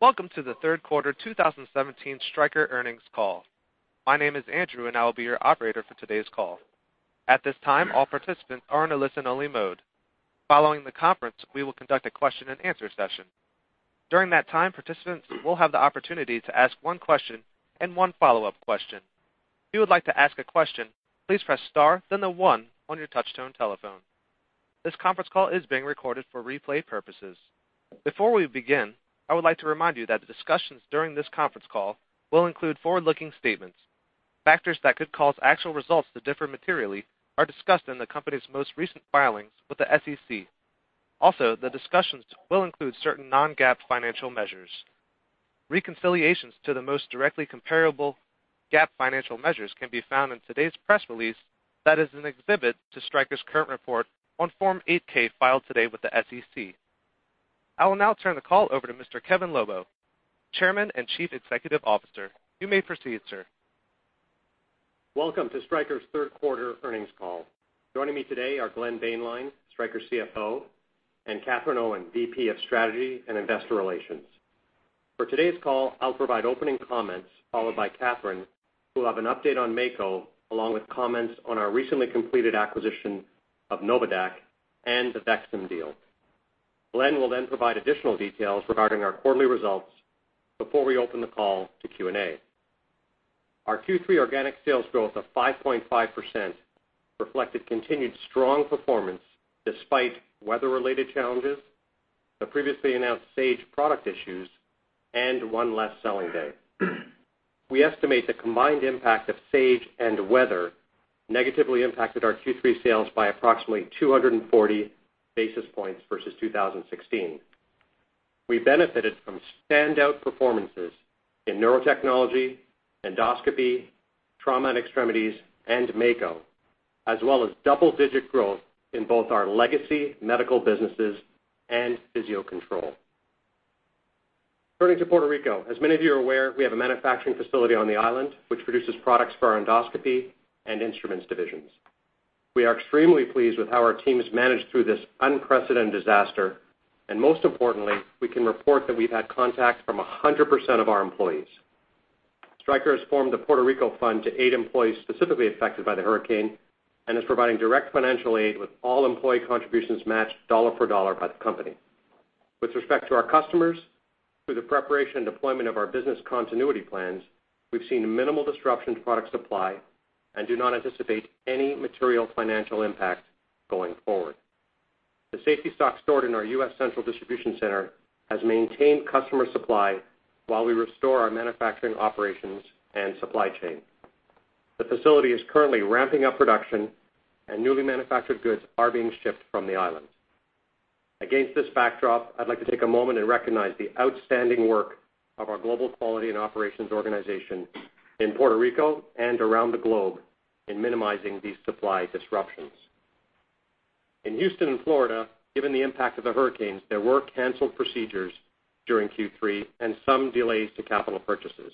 Welcome to the third quarter 2017 Stryker earnings call. My name is Andrew, and I will be your operator for today's call. At this time, all participants are in a listen-only mode. Following the conference, we will conduct a question and answer session. During that time, participants will have the opportunity to ask one question and one follow-up question. If you would like to ask a question, please press star, then the one on your touch-tone telephone. This conference call is being recorded for replay purposes. Before we begin, I would like to remind you that the discussions during this conference call will include forward-looking statements. Factors that could cause actual results to differ materially are discussed in the company's most recent filings with the SEC. Also, the discussions will include certain non-GAAP financial measures. Reconciliations to the most directly comparable GAAP financial measures can be found in today's press release that is an exhibit to Stryker's current report on Form 8-K filed today with the SEC. I will now turn the call over to Mr. Kevin Lobo, Chairman and Chief Executive Officer. You may proceed, sir. Welcome to Stryker's third quarter earnings call. Joining me today are Glenn Boehnlein, Stryker CFO, and Katherine Owen, VP of Strategy and Investor Relations. For today's call, I will provide opening comments followed by Katherine, who will have an update on Mako, along with comments on our recently completed acquisition of NOVADAQ and the VEXIM deal. Glenn will then provide additional details regarding our quarterly results before we open the call to Q&A. Our Q3 organic sales growth of 5.5% reflected continued strong performance despite weather-related challenges, the previously announced Sage product issues, and one less selling day. We estimate the combined impact of Sage and weather negatively impacted our Q3 sales by approximately 240 basis points versus 2016. We benefited from standout performances in neurotechnology, endoscopy, trauma and extremities, and Mako, as well as double-digit growth in both our legacy medical businesses and Physio-Control. Turning to Puerto Rico, as many of you are aware, we have a manufacturing facility on the island which produces products for our endoscopy and instruments divisions. We are extremely pleased with how our teams managed through this unprecedented disaster, and most importantly, we can report that we have had contact from 100% of our employees. Stryker has formed the Puerto Rico Fund to aid employees specifically affected by the hurricane and is providing direct financial aid with all employee contributions matched dollar for dollar by the company. With respect to our customers, through the preparation and deployment of our business continuity plans, we have seen minimal disruption to product supply and do not anticipate any material financial impact going forward. The safety stock stored in our U.S. Central Distribution Center has maintained customer supply while we restore our manufacturing operations and supply chain. The facility is currently ramping up production, and newly manufactured goods are being shipped from the island. Against this backdrop, I'd like to take a moment and recognize the outstanding work of our global quality and operations organization in Puerto Rico and around the globe in minimizing these supply disruptions. In Houston and Florida, given the impact of the hurricanes, there were canceled procedures during Q3 and some delays to capital purchases.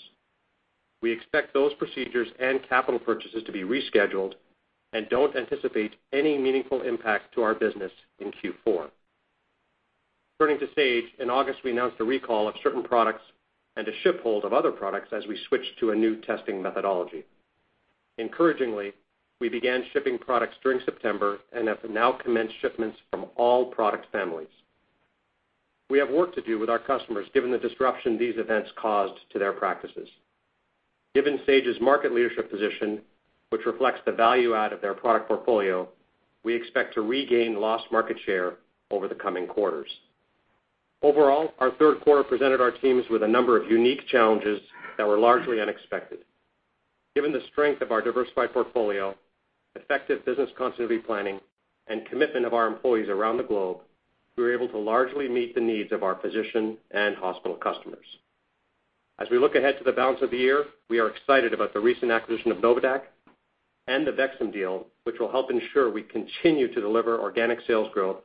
We expect those procedures and capital purchases to be rescheduled and don't anticipate any meaningful impact to our business in Q4. Turning to Sage, in August, we announced a recall of certain products and a ship hold of other products as we switched to a new testing methodology. Encouragingly, we began shipping products during September and have now commenced shipments from all product families. We have work to do with our customers given the disruption these events caused to their practices. Given Sage's market leadership position, which reflects the value add of their product portfolio, we expect to regain lost market share over the coming quarters. Overall, our third quarter presented our teams with a number of unique challenges that were largely unexpected. Given the strength of our diversified portfolio, effective business continuity planning, and commitment of our employees around the globe, we were able to largely meet the needs of our physician and hospital customers. As we look ahead to the balance of the year, we are excited about the recent acquisition of NOVADAQ and the VEXIM deal, which will help ensure we continue to deliver organic sales growth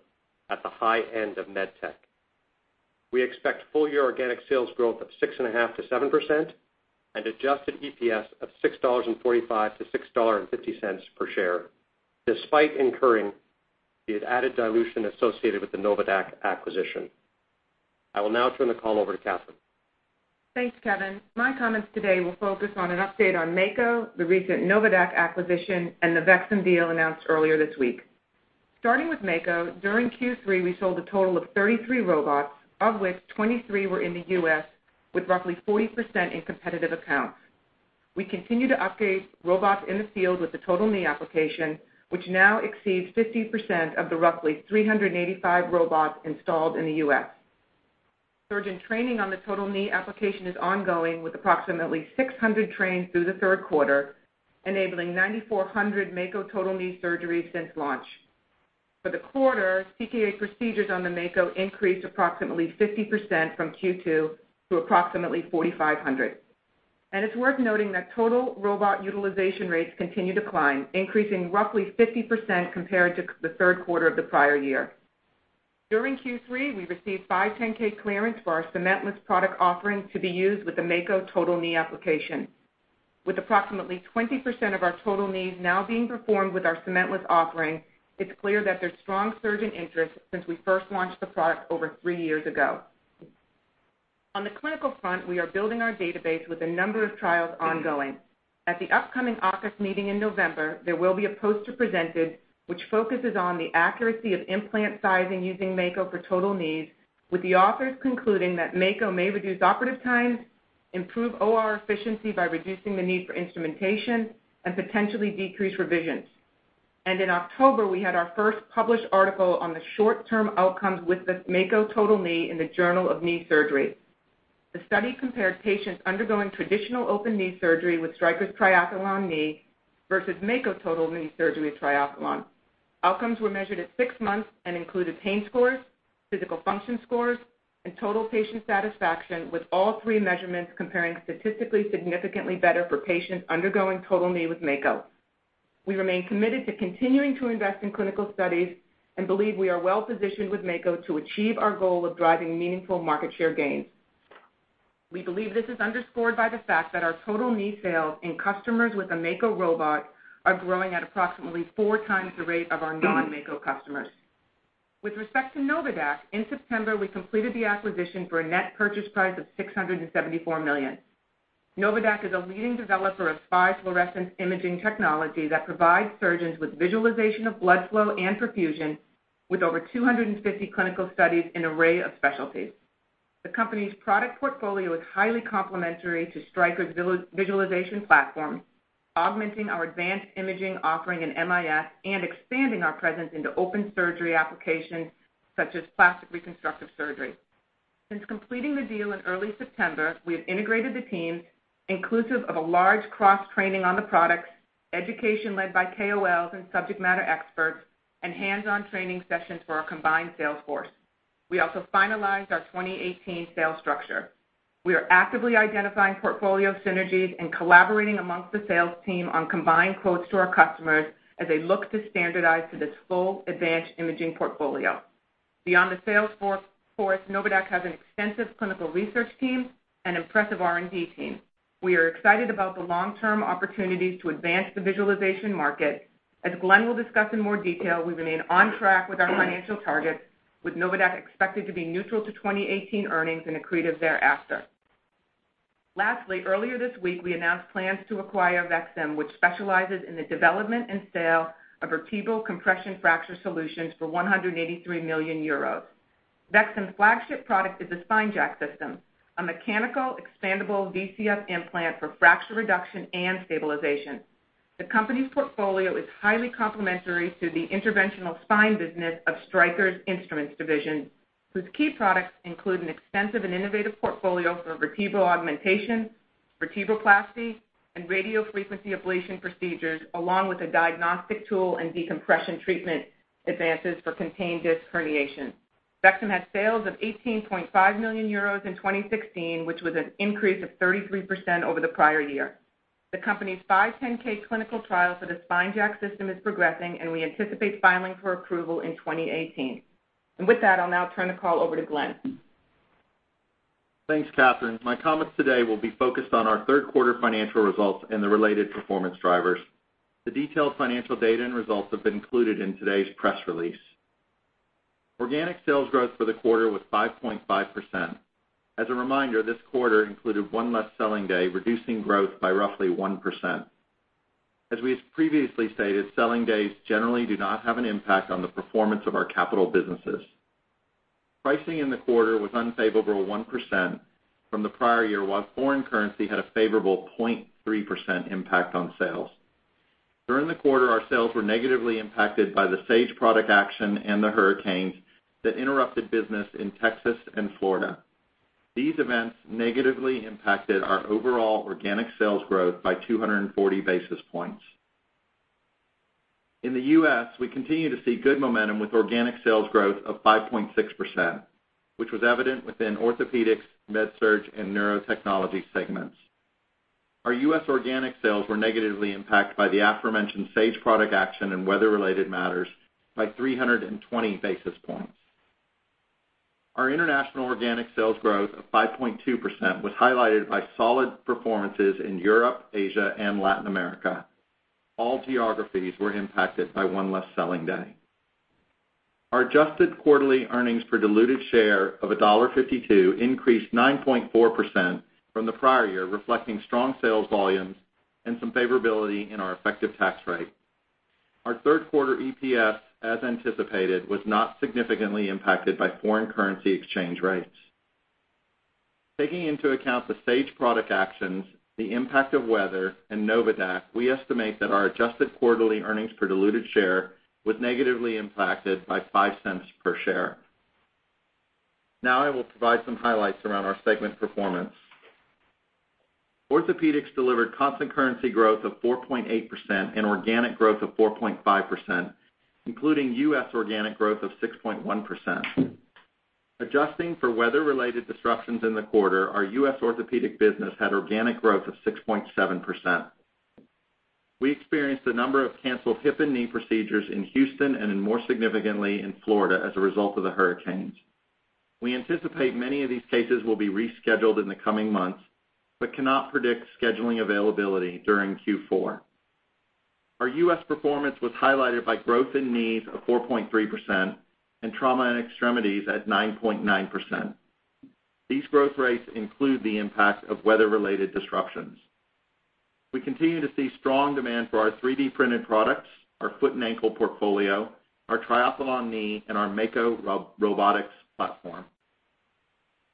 at the high end of med tech. We expect full-year organic sales growth of 6.5% to 7% and adjusted EPS of $6.45 to $6.50 per share, despite incurring the added dilution associated with the NOVADAQ acquisition. I will now turn the call over to Kathryn. Thanks, Kevin. My comments today will focus on an update on Mako, the recent NOVADAQ acquisition, and the VEXIM deal announced earlier this week. Starting with Mako, during Q3, we sold a total of 33 robots, of which 23 were in the U.S., with roughly 40% in competitive accounts. We continue to upgrade robots in the field with the total knee application, which now exceeds 50% of the roughly 385 robots installed in the U.S. Surgeon training on the total knee application is ongoing, with approximately 600 trained through the third quarter, enabling 9,400 Mako total knee surgeries since launch. For the quarter, TKA procedures on the Mako increased approximately 50% from Q2 to approximately 4,500. It's worth noting that total robot utilization rates continue to climb, increasing roughly 50% compared to the third quarter of the prior year. During Q3, we received 510 clearance for our cementless product offering to be used with the Mako Total Knee application. With approximately 20% of our total knees now being performed with our cementless offering, it's clear that there's strong surgeon interest since we first launched the product over three years ago. On the clinical front, we are building our database with a number of trials ongoing. At the upcoming AAOS Meeting in November, there will be a poster presented which focuses on the accuracy of implant sizing using Mako for total knees, with the authors concluding that Mako may reduce operative times, improve OR efficiency by reducing the need for instrumentation, and potentially decrease revisions. In October, we had our first published article on the short-term outcomes with the Mako Total Knee in "The Journal of Knee Surgery." The study compared patients undergoing traditional open knee surgery with Stryker's Triathlon knee versus Mako Total Knee surgery Triathlon. Outcomes were measured at six months and included pain scores, physical function scores, and total patient satisfaction, with all three measurements comparing statistically significantly better for patients undergoing total knee with Mako. We remain committed to continuing to invest in clinical studies and believe we are well-positioned with Mako to achieve our goal of driving meaningful market share gains. We believe this is underscored by the fact that our total knee sales in customers with a Mako robot are growing at approximately four times the rate of our non-Mako customers. With respect to NOVADAQ, in September, we completed the acquisition for a net purchase price of $674 million. NOVADAQ is a leading developer of SPY fluorescence imaging technology that provides surgeons with visualization of blood flow and perfusion with over 250 clinical studies an array of specialties. The company's product portfolio is highly complementary to Stryker's visualization platform, augmenting our advanced imaging offering in MIS and expanding our presence into open surgery applications such as plastic reconstructive surgery. Since completing the deal in early September, we have integrated the teams, inclusive of a large cross-training on the products, education led by KOLs and subject matter experts, and hands-on training sessions for our combined sales force. We also finalized our 2018 sales structure. We are actively identifying portfolio synergies and collaborating amongst the sales team on combined quotes to our customers as they look to standardize to this full advanced imaging portfolio. Beyond the sales force, NOVADAQ has an extensive clinical research team and impressive R&D team. We are excited about the long-term opportunities to advance the visualization market. As Glenn will discuss in more detail, we remain on track with our financial targets, with NOVADAQ expected to be neutral to 2018 earnings and accretive thereafter. Lastly, earlier this week, we announced plans to acquire VEXIM, which specializes in the development and sale of vertebral compression fracture solutions for 183 million euros. VEXIM's flagship product is the SpineJack system, a mechanical expandable VCF implant for fracture reduction and stabilization. The company's portfolio is highly complementary to the interventional spine business of Stryker's Instruments division, whose key products include an extensive and innovative portfolio for vertebral augmentation, vertebroplasty, and radiofrequency ablation procedures, along with a diagnostic tool and decompression treatment advances for contained disc herniation. VEXIM had sales of 18.5 million euros in 2016, which was an increase of 33% over the prior year. The company's 510(k) clinical trial for the SpineJack system is progressing, and we anticipate filing for approval in 2018. With that, I'll now turn the call over to Glenn. Thanks, Katherine. My comments today will be focused on our third quarter financial results and the related performance drivers. The detailed financial data and results have been included in today's press release. Organic sales growth for the quarter was 5.5%. As a reminder, this quarter included one less selling day, reducing growth by roughly 1%. As we have previously stated, selling days generally do not have an impact on the performance of our capital businesses. Pricing in the quarter was unfavorable 1% from the prior year, while foreign currency had a favorable 0.3% impact on sales. During the quarter, our sales were negatively impacted by the Sage product action and the hurricanes that interrupted business in Texas and Florida. These events negatively impacted our overall organic sales growth by 240 basis points. In the U.S., we continue to see good momentum with organic sales growth of 5.6%, which was evident within Orthopaedics, MedSurg, and Neurotechnology segments. Our U.S. organic sales were negatively impacted by the aforementioned Sage product action and weather-related matters by 320 basis points. Our international organic sales growth of 5.2% was highlighted by solid performances in Europe, Asia, and Latin America. All geographies were impacted by one less selling day. Our adjusted quarterly earnings per diluted share of $1.52 increased 9.4% from the prior year, reflecting strong sales volumes and some favorability in our effective tax rate. Our third quarter EPS, as anticipated, was not significantly impacted by foreign currency exchange rates. Taking into account the Sage product actions, the impact of weather, and NOVADAQ, we estimate that our adjusted quarterly earnings per diluted share was negatively impacted by $0.05 per share. I will provide some highlights around our segment performance. Orthopaedics delivered constant currency growth of 4.8% and organic growth of 4.5%, including U.S. organic growth of 6.1%. Adjusting for weather-related disruptions in the quarter, our U.S. Orthopaedic business had organic growth of 6.7%. We experienced a number of canceled hip and knee procedures in Houston and more significantly in Florida as a result of the hurricanes. We anticipate many of these cases will be rescheduled in the coming months, but cannot predict scheduling availability during Q4. Our U.S. performance was highlighted by growth in knee of 4.3% and trauma and extremities at 9.9%. These growth rates include the impact of weather-related disruptions. We continue to see strong demand for our 3D-printed products, our foot and ankle portfolio, our Triathlon knee, and our Mako robotics platform.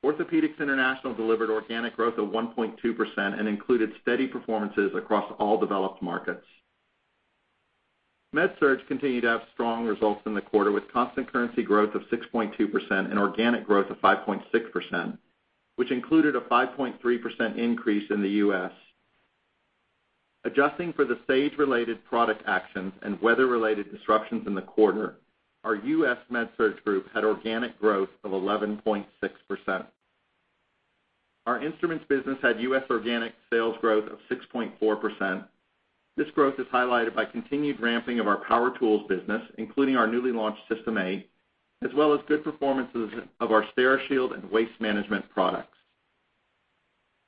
Orthopaedics International delivered organic growth of 1.2% and included steady performances across all developed markets. MedSurg continued to have strong results in the quarter with constant currency growth of 6.2% and organic growth of 5.6%, which included a 5.3% increase in the U.S. Adjusting for the Sage-related product actions and weather-related disruptions in the quarter, our U.S. MedSurg group had organic growth of 11.6%. Our Instruments business had U.S. organic sales growth of 6.4%. This growth is highlighted by continued ramping of our power tools business, including our newly launched System 8, as well as good performances of our Steri-Shield and waste management products.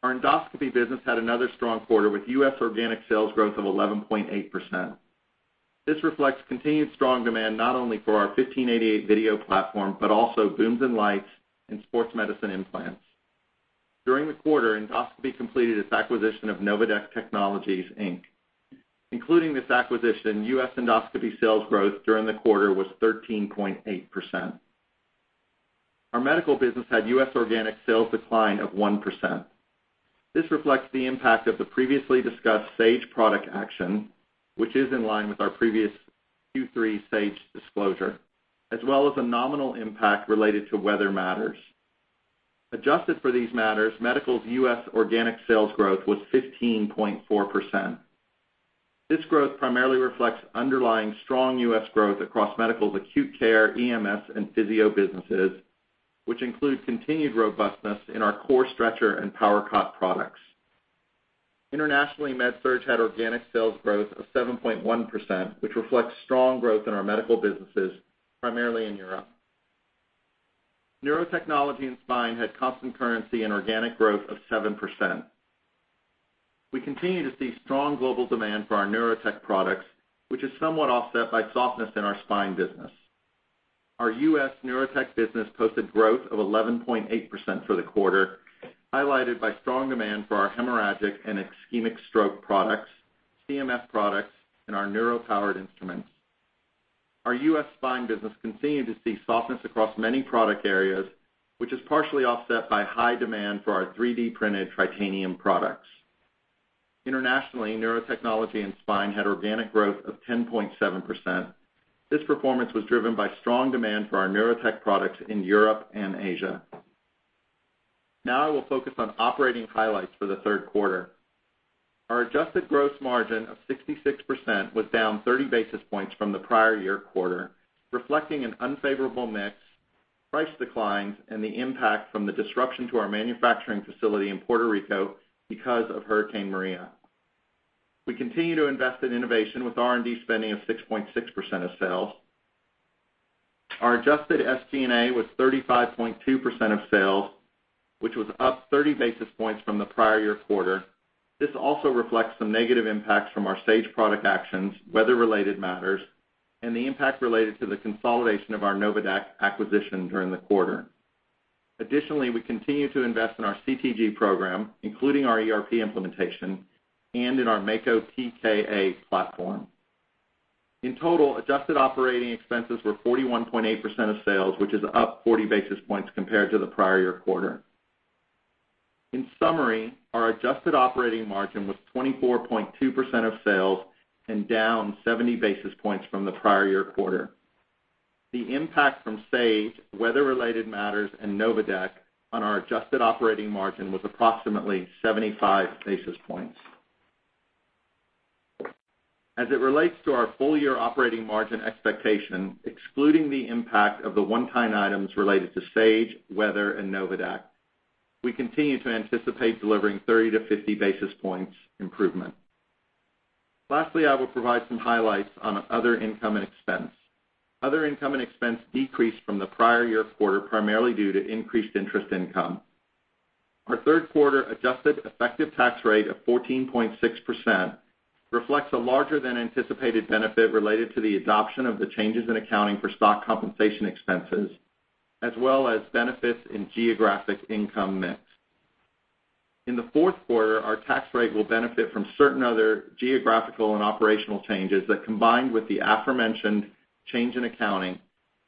Our Endoscopy business had another strong quarter with U.S. organic sales growth of 11.8%. This reflects continued strong demand not only for our 1588 AIM Platform, but also booms in lights and sports medicine implants. During the quarter, Endoscopy completed its acquisition of NOVADAQ Technologies Inc. Including this acquisition, U.S. Endoscopy sales growth during the quarter was 13.8%. Our Medical business had U.S. organic sales decline of 1%. This reflects the impact of the previously discussed Sage product action, which is in line with our previous Q3 Sage disclosure, as well as a nominal impact related to weather matters. Adjusted for these matters, Medical's U.S. organic sales growth was 15.4%. This growth primarily reflects underlying strong U.S. growth across Medical's acute care, EMS, and Physio businesses, which include continued robustness in our core stretcher and Power-PRO XT products. Internationally, MedSurg had organic sales growth of 7.1%, which reflects strong growth in our medical businesses, primarily in Europe. Neurotechnology and Spine had constant currency and organic growth of 7%. We continue to see strong global demand for our neurotech products, which is somewhat offset by softness in our spine business. Our U.S. neurotech business posted growth of 11.8% for the quarter, highlighted by strong demand for our hemorrhagic and ischemic stroke products, CMF products, and our neuro powered instruments. Our U.S. spine business continued to see softness across many product areas, which is partially offset by high demand for our 3D-printed titanium products. Internationally, Neurotechnology and Spine had organic growth of 10.7%. This performance was driven by strong demand for our neurotech products in Europe and Asia. Now I will focus on operating highlights for the third quarter. Our adjusted gross margin of 66% was down 30 basis points from the prior year quarter, reflecting an unfavorable mix, price declines, and the impact from the disruption to our manufacturing facility in Puerto Rico because of Hurricane Maria. We continue to invest in innovation with R&D spending of 6.6% of sales. Our adjusted SG&A was 35.2% of sales, which was up 30 basis points from the prior year quarter. This also reflects some negative impacts from our Sage product actions, weather-related matters, and the impact related to the consolidation of our NOVADAQ acquisition during the quarter. Additionally, we continue to invest in our CTG program, including our ERP implementation and in our Mako TKA platform. In total, adjusted operating expenses were 41.8% of sales, which is up 40 basis points compared to the prior year quarter. In summary, our adjusted operating margin was 24.2% of sales and down 70 basis points from the prior year quarter. The impact from Sage, weather-related matters and NOVADAQ on our adjusted operating margin was approximately 75 basis points. As it relates to our full-year operating margin expectation, excluding the impact of the one-time items related to Sage, weather, and NOVADAQ, we continue to anticipate delivering 30 to 50 basis points improvement. Lastly, I will provide some highlights on other income and expense. Other income and expense decreased from the prior year quarter, primarily due to increased interest income. Our third quarter adjusted effective tax rate of 14.6% reflects a larger than anticipated benefit related to the adoption of the changes in accounting for stock compensation expenses, as well as benefits in geographic income mix. In the fourth quarter, our tax rate will benefit from certain other geographical and operational changes that, combined with the aforementioned change in accounting,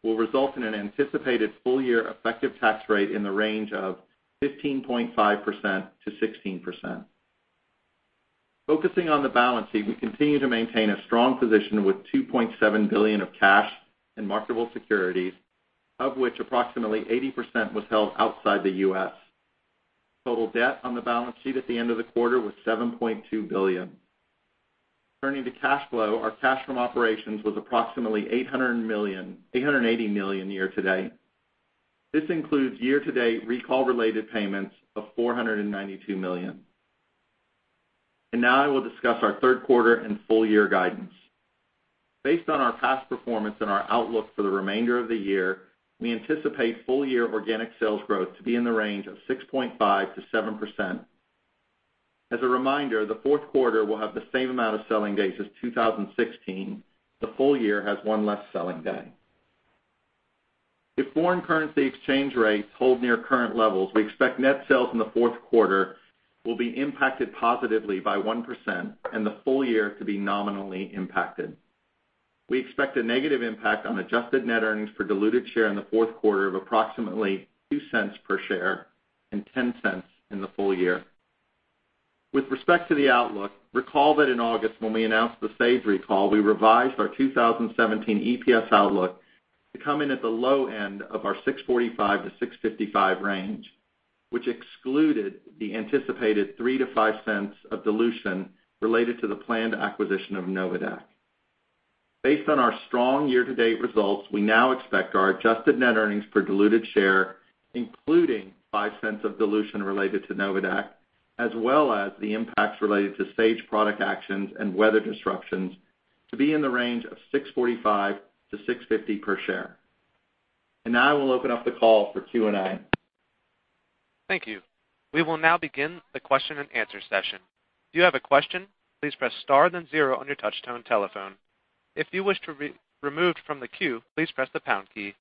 will result in an anticipated full-year effective tax rate in the range of 15.5%-16%. Focusing on the balance sheet, we continue to maintain a strong position with $2.7 billion of cash and marketable securities, of which approximately 80% was held outside the U.S. Total debt on the balance sheet at the end of the quarter was $7.2 billion. Turning to cash flow, our cash from operations was approximately $880 million year to date. This includes year to date recall-related payments of $492 million. Now I will discuss our third quarter and full year guidance. Based on our past performance and our outlook for the remainder of the year, we anticipate full-year organic sales growth to be in the range of 6.5%-7%. As a reminder, the fourth quarter will have the same amount of selling days as 2016. The full year has one less selling day. If foreign currency exchange rates hold near current levels, we expect net sales in the fourth quarter will be impacted positively by 1% and the full year to be nominally impacted. We expect a negative impact on adjusted net earnings per diluted share in the fourth quarter of approximately $0.02 per share and $0.10 in the full year. With respect to the outlook, recall that in August, when we announced the Sage recall, we revised our 2017 EPS outlook to come in at the low end of our $6.45-$6.55 range, which excluded the anticipated $0.03-$0.05 of dilution related to the planned acquisition of NOVADAQ. Based on our strong year-to-date results, we now expect our adjusted net earnings per diluted share, including $0.05 of dilution related to NOVADAQ, as well as the impacts related to Sage product actions and weather disruptions, to be in the range of $6.45-$6.50 per share. Now I will open up the call for Q&A. Thank you. We will now begin the question and answer session. If you have a question, please press star then zero on your touch-tone telephone. If you wish to be removed from the queue, please press the pound key.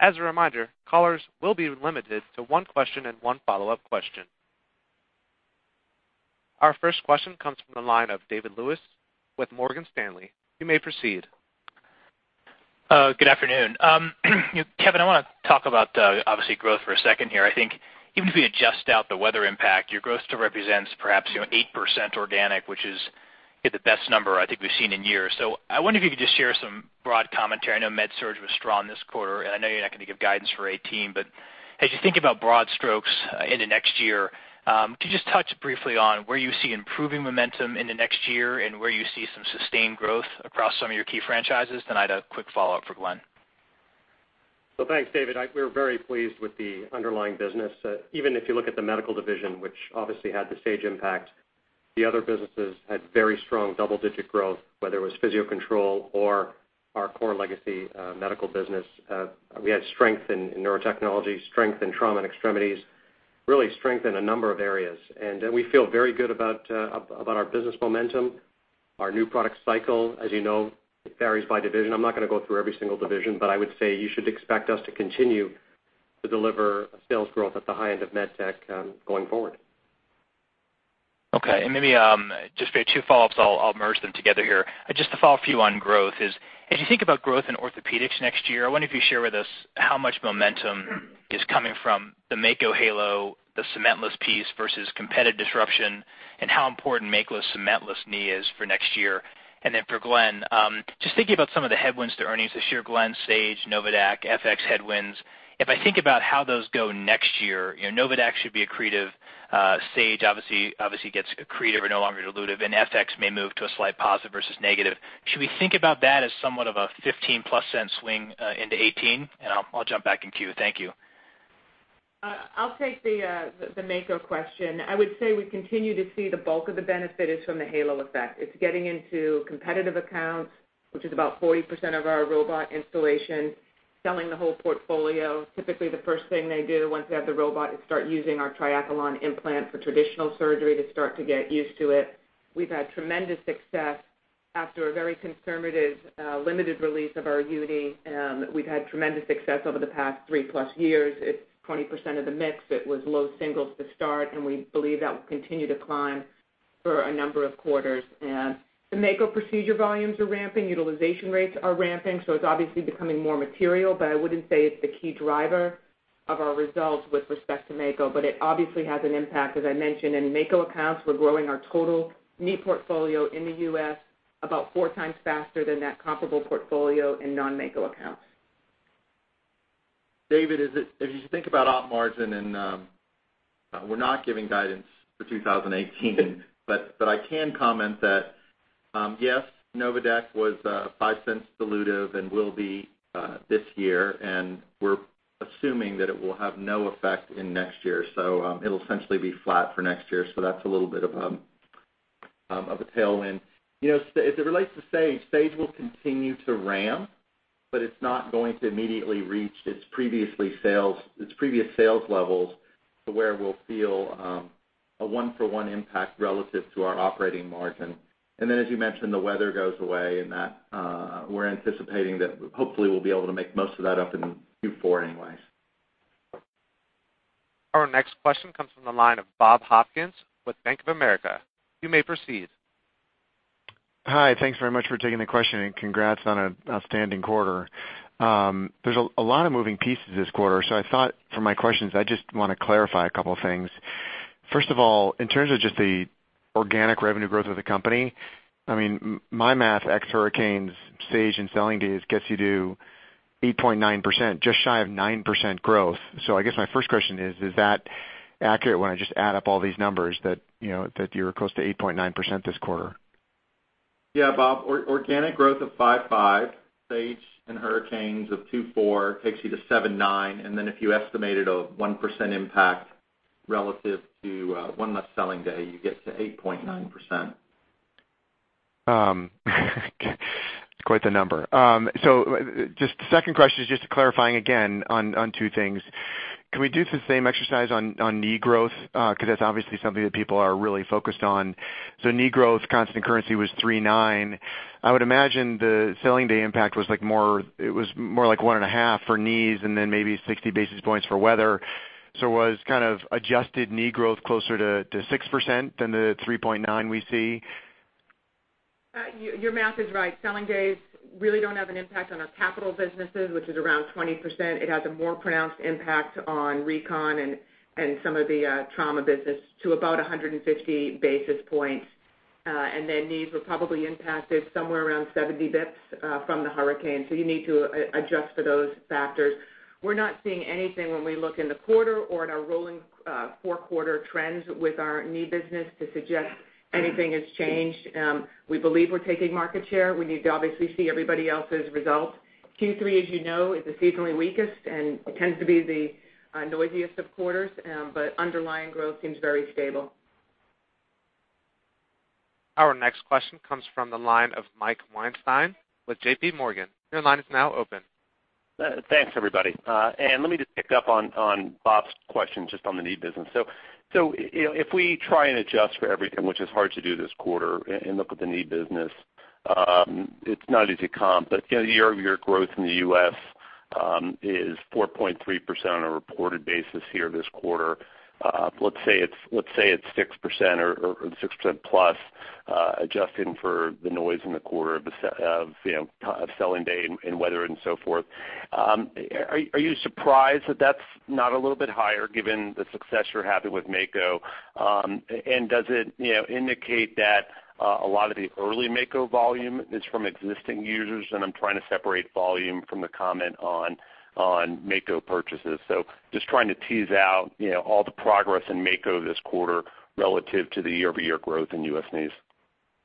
As a reminder, callers will be limited to one question and one follow-up question. Our first question comes from the line of David Lewis with Morgan Stanley. You may proceed. Good afternoon. Kevin, I want to talk about growth for a second here. I think even if we adjust out the weather impact, your growth still represents perhaps 8% organic, which is the best number I think we've seen in years. I wonder if you could just share some broad commentary. I know MedSurg was strong this quarter, I know you're not going to give guidance for 2018, but as you think about broad strokes into next year, could you just touch briefly on where you see improving momentum in the next year and where you see some sustained growth across some of your key franchises? I had a quick follow-up for Glenn. Thanks, David. We're very pleased with the underlying business. Even if you look at the medical division, which obviously had the Sage impact, the other businesses had very strong double-digit growth, whether it was Physio-Control or our core legacy medical business. We had strength in Neurotechnology, strength in trauma and extremities, really strength in a number of areas. We feel very good about our business momentum. Our new product cycle, as you know, it varies by division. I'm not going to go through every single division, but I would say you should expect us to continue to deliver sales growth at the high end of med tech, going forward. Okay, maybe just two follow-ups. I'll merge them together here. Just to follow up for you on growth, as you think about growth in Orthopaedics next year, I wonder if you share with us how much momentum is coming from the Mako Halo, the cementless piece versus competitive disruption, and how important Mako's cementless knee is for next year? For Glenn, just thinking about some of the headwinds to earnings this year, Glenn, Sage, NOVADAQ, FX headwinds. If I think about how those go next year, NOVADAQ should be accretive, Sage obviously gets accretive or no longer dilutive, and FX may move to a slight positive versus negative. Should we think about that as somewhat of a $0.15-plus swing into 2018? I'll jump back in queue. Thank you. I'll take the Mako question. I would say we continue to see the bulk of the benefit is from the halo effect. It's getting into competitive accounts, which is about 40% of our robot installation, selling the whole portfolio. Typically, the first thing they do once they have the robot is start using our Triathlon implant for traditional surgery to start to get used to it. We've had tremendous success after a very conservative, limited release of our UDI. We've had tremendous success over the past 3+ years. It's 20% of the mix. It was low singles to start, and we believe that will continue to climb for a number of quarters. The Mako procedure volumes are ramping, utilization rates are ramping, so it's obviously becoming more material, but I wouldn't say it's the key driver of our results with respect to Mako, but it obviously has an impact. As I mentioned, in Mako accounts, we're growing our total knee portfolio in the U.S. about four times faster than that comparable portfolio in non-Mako accounts. David, as you think about op margin, we're not giving guidance for 2018. I can comment that, yes, NOVADAQ was $0.05 dilutive and will be this year, and we're assuming that it will have no effect in next year. It'll essentially be flat for next year. That's a little bit of a tailwind. As it relates to Sage will continue to ramp, but it's not going to immediately reach its previous sales levels to where we'll feel a one-for-one impact relative to our operating margin. Then, as you mentioned, the weather goes away, and we're anticipating that hopefully we'll be able to make most of that up in Q4 anyways. Our next question comes from the line of Bob Hopkins with Bank of America. You may proceed. Hi. Thanks very much for taking the question, and congrats on an outstanding quarter. There's a lot of moving pieces this quarter. I thought for my questions, I just want to clarify a couple of things. First of all, in terms of just the organic revenue growth of the company, my math, ex hurricanes, Sage, and selling days gets you to 8.9%, just shy of 9% growth. I guess my first question is that accurate when I just add up all these numbers that you're close to 8.9% this quarter? Yeah, Bob, organic growth of 5.5%, Sage and hurricanes of 2.4% takes you to 7.9%. If you estimated a 1% impact relative to one less selling day, you get to 8.9%. It's quite the number. Just the second question is just clarifying again on two things. Can we do the same exercise on knee growth? Because that's obviously something that people are really focused on. Knee growth, constant currency was 3.9%. I would imagine the selling day impact was more like 1.5% for knees and then maybe 60 basis points for weather. Was kind of adjusted knee growth closer to 6% than the 3.9% we see? Your math is right. Selling days really don't have an impact on our capital businesses, which is around 20%. It has a more pronounced impact on recon and some of the trauma business to about 150 basis points. Knees were probably impacted somewhere around 70 basis points from the hurricane. You need to adjust for those factors. We're not seeing anything when we look in the quarter or at our rolling four-quarter trends with our knee business to suggest anything has changed. We believe we're taking market share. We need to obviously see everybody else's results. Q3, as you know, is the seasonally weakest and tends to be the noisiest of quarters. Underlying growth seems very stable. Our next question comes from the line of Mike Weinstein with JP Morgan. Your line is now open. Thanks, everybody. Let me just pick up on Bob's question, just on the knee business. If we try and adjust for everything, which is hard to do this quarter, and look at the knee business, it's not easy comp, but year-over-year growth in the U.S. is 4.3% on a reported basis here this quarter. Let's say it's 6% or 6% plus, adjusting for the noise in the quarter of selling day and weather and so forth. Are you surprised that that's not a little bit higher given the success you're having with Mako? Does it indicate that a lot of the early Mako volume is from existing users? I'm trying to separate volume from the comment on Mako purchases. Just trying to tease out all the progress in Mako this quarter relative to the year-over-year growth in U.S. knees.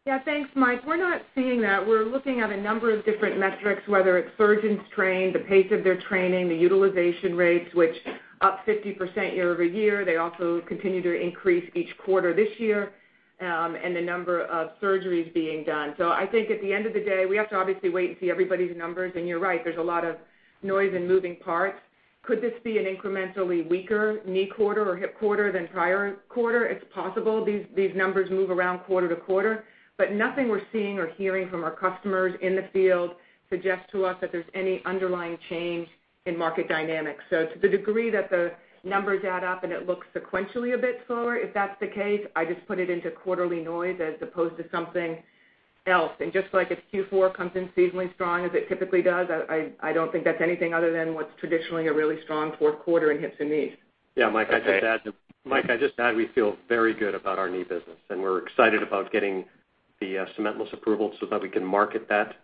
Yeah. Thanks, Mike. We're not seeing that. We're looking at a number of different metrics, whether it's surgeons trained, the pace of their training, the utilization rates, which up 50% year-over-year. They also continue to increase each quarter this year, and the number of surgeries being done. I think at the end of the day, we have to obviously wait and see everybody's numbers. You're right, there's a lot of noise and moving parts. Could this be an incrementally weaker knee quarter or hip quarter than prior quarter? It's possible. These numbers move around quarter to quarter, but nothing we're seeing or hearing from our customers in the field suggests to us that there's any underlying change in market dynamics. To the degree that the numbers add up and it looks sequentially a bit slower, if that's the case, I just put it into quarterly noise as opposed to something else. Just like if Q4 comes in seasonally strong as it typically does, I don't think that's anything other than what's traditionally a really strong fourth quarter in hips and knees. Mike, I'd just add we feel very good about our knee business, we're excited about getting the cementless approval so that we can market that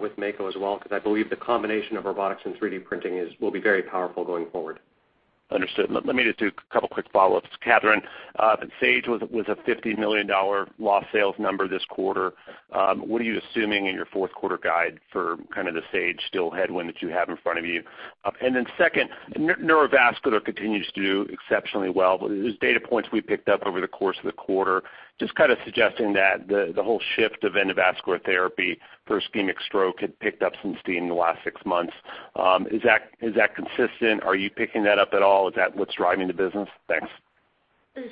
with Mako as well, because I believe the combination of robotics and 3D printing will be very powerful going forward. Understood. Let me just do a couple quick follow-ups. Katherine, Sage was a $50 million lost sales number this quarter. What are you assuming in your fourth quarter guide for kind of the Sage still headwind that you have in front of you? Second, neurovascular continues to do exceptionally well. There's data points we picked up over the course of the quarter just kind of suggesting that the whole shift of endovascular therapy for ischemic stroke had picked up some steam in the last six months. Is that consistent? Are you picking that up at all? Is that what's driving the business? Thanks.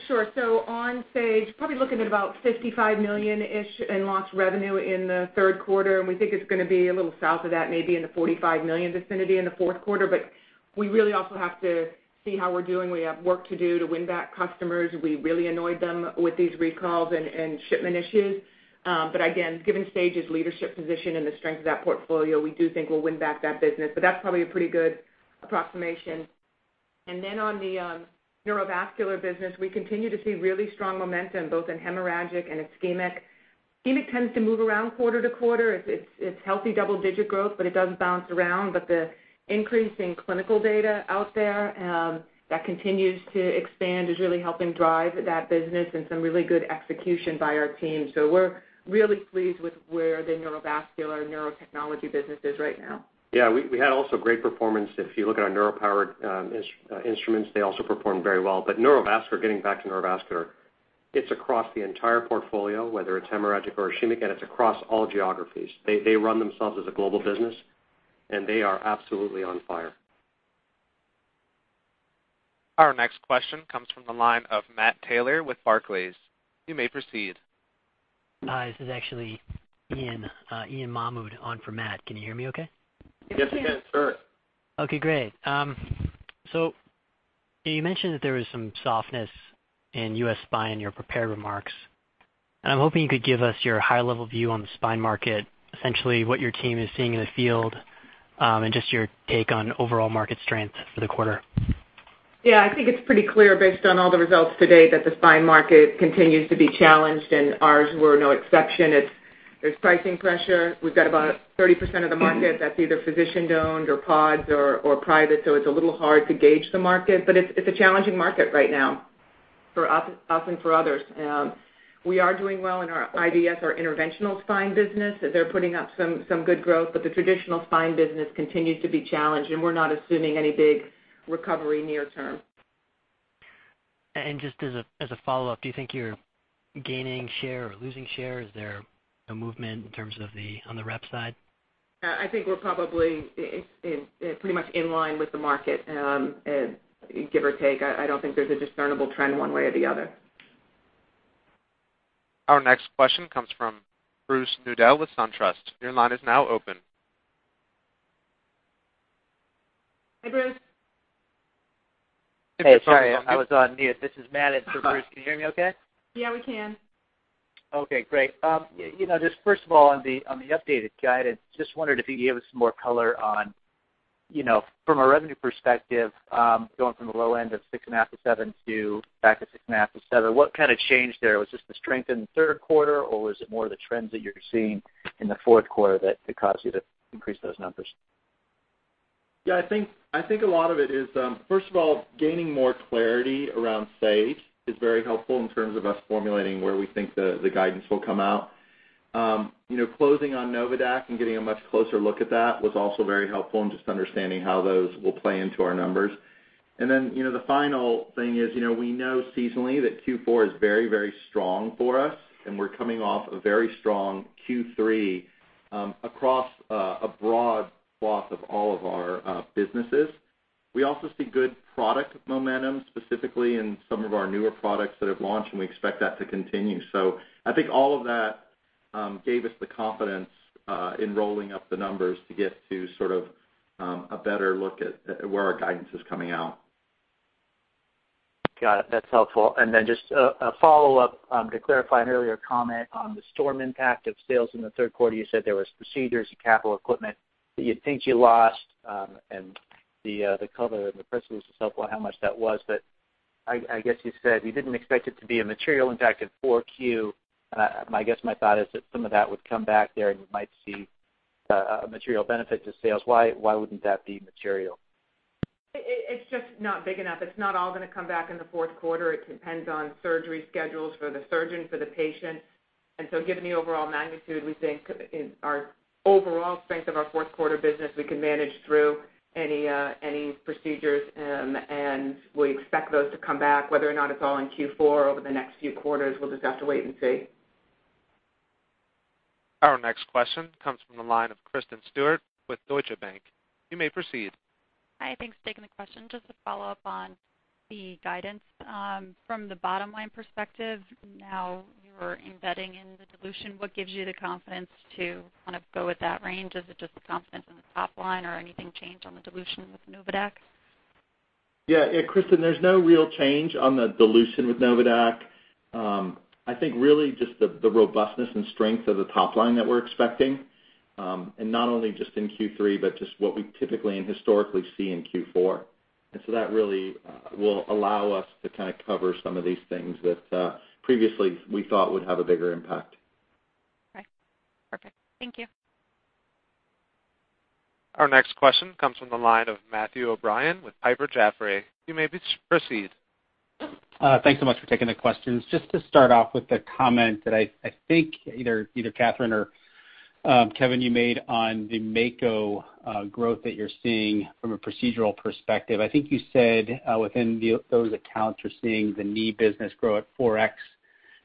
Sure. On Sage, probably looking at about $55 million-ish in lost revenue in the third quarter, we think it's going to be a little south of that, maybe in the $45 million vicinity in the fourth quarter. We really also have to see how we're doing. We have work to do to win back customers. We really annoyed them with these recalls and shipment issues. Again, given Sage's leadership position and the strength of that portfolio, we do think we'll win back that business. That's probably a pretty good approximation. On the neurovascular business, we continue to see really strong momentum both in hemorrhagic and ischemic. Ischemic tends to move around quarter to quarter. It's healthy double-digit growth, but it does bounce around. The increasing clinical data out there that continues to expand is really helping drive that business and some really good execution by our team. We're really pleased with where the neurovascular neurotechnology business is right now. Yeah, we had also great performance. If you look at our neuro powered instruments, they also performed very well. Neurovascular, getting back to neurovascular, it's across the entire portfolio, whether it's hemorrhagic or ischemic, and it's across all geographies. They run themselves as a global business, and they are absolutely on fire. Our next question comes from the line of Matt Taylor with Barclays. You may proceed. Hi, this is actually Ian Mahmud on for Matt. Can you hear me okay? Yes, we can, sir. Okay, great. You mentioned that there was some softness in U.S. spine in your prepared remarks. I'm hoping you could give us your high-level view on the spine market, essentially what your team is seeing in the field, and just your take on overall market strength for the quarter. Yeah, I think it's pretty clear based on all the results today that the spine market continues to be challenged, and ours were no exception. There's pricing pressure. We've got about 30% of the market that's either physician-owned or PODs or private, so it's a little hard to gauge the market, but it's a challenging market right now. For us and for others. We are doing well in our IVS, our interventional spine business. They're putting up some good growth, but the traditional spine business continues to be challenged, and we're not assuming any big recovery near term. Just as a follow-up, do you think you're gaining share or losing share? Is there a movement in terms of on the rep side? I think we're probably pretty much in line with the market, give or take. I don't think there's a discernible trend one way or the other. Our next question comes from Bruce Nudell with SunTrust. Your line is now open. Hey, Bruce. Hey, sorry. I was on mute. This is Matt on for Bruce. Can you hear me okay? Yeah, we can. Okay, great. First of all, on the updated guidance, wondered if you could give us some more color on, from a revenue perspective, going from the low end of 6.5%-7% to back at 6.5%-7%, what kind of change there? Was this the strength in the third quarter, or was it more of the trends that you're seeing in the fourth quarter that could cause you to increase those numbers? I think a lot of it is, first of all, gaining more clarity around Sage is very helpful in terms of us formulating where we think the guidance will come out. Closing on NOVADAQ and getting a much closer look at that was also very helpful in just understanding how those will play into our numbers. The final thing is, we know seasonally that Q4 is very, very strong for us, and we're coming off a very strong Q3 across a broad swath of all of our businesses. We also see good product momentum, specifically in some of our newer products that have launched, and we expect that to continue. I think all of that gave us the confidence in rolling up the numbers to get to sort of a better look at where our guidance is coming out. Got it. That's helpful. Just a follow-up to clarify an earlier comment on the storm impact of sales in the third quarter. You said there was procedures and capital equipment that you think you lost, and the color in the press release was helpful how much that was. I guess you said you didn't expect it to be a material impact in 4Q. I guess my thought is that some of that would come back there and you might see a material benefit to sales. Why wouldn't that be material? It's just not big enough. It's not all going to come back in the fourth quarter. It depends on surgery schedules for the surgeon, for the patient. Given the overall magnitude, we think our overall strength of our fourth quarter business, we can manage through any procedures, and we expect those to come back. Whether or not it's all in Q4 or over the next few quarters, we'll just have to wait and see. Our next question comes from the line of Kristen Stewart with Deutsche Bank. You may proceed. Hi, thanks for taking the question. Just to follow up on the guidance. From the bottom-line perspective, now you're embedding in the dilution, what gives you the confidence to kind of go with that range? Is it just the confidence in the top line or anything change on the dilution with NOVADAQ? Yeah, Kristen, there's no real change on the dilution with NOVADAQ. I think really just the robustness and strength of the top line that we're expecting, and not only just in Q3, but just what we typically and historically see in Q4. That really will allow us to kind of cover some of these things that previously we thought would have a bigger impact. Okay, perfect. Thank you. Our next question comes from the line of Matthew O'Brien with Piper Jaffray. You may proceed. Thanks so much for taking the questions. Just to start off with the comment that I think either Katherine or Kevin, you made on the Mako growth that you're seeing from a procedural perspective. I think you said within those accounts, you're seeing the knee business grow at 4x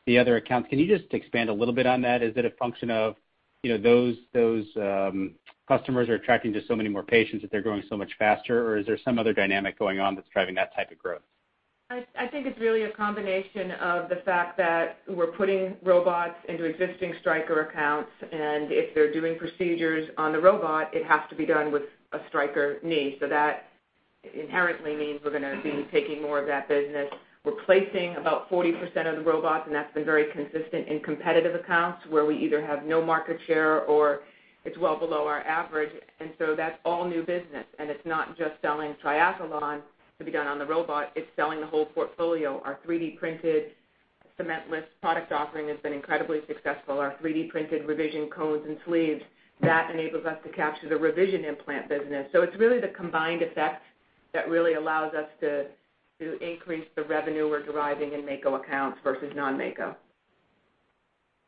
the other accounts. Can you just expand a little bit on that? Is it a function of those customers are attracting just so many more patients that they're growing so much faster? Is there some other dynamic going on that's driving that type of growth? I think it's really a combination of the fact that we're putting robots into existing Stryker accounts, and if they're doing procedures on the robot, it has to be done with a Stryker knee. That inherently means we're going to be taking more of that business. We're placing about 40% of the robots, that's been very consistent in competitive accounts where we either have no market share or it's well below our average. That's all new business, and it's not just selling Triathlon to be done on the robot, it's selling the whole portfolio. Our 3D printed cement-less product offering has been incredibly successful. Our 3D printed revision cones and sleeves, that enables us to capture the revision implant business. It's really the combined effect that really allows us to increase the revenue we're deriving in Mako accounts versus non-Mako.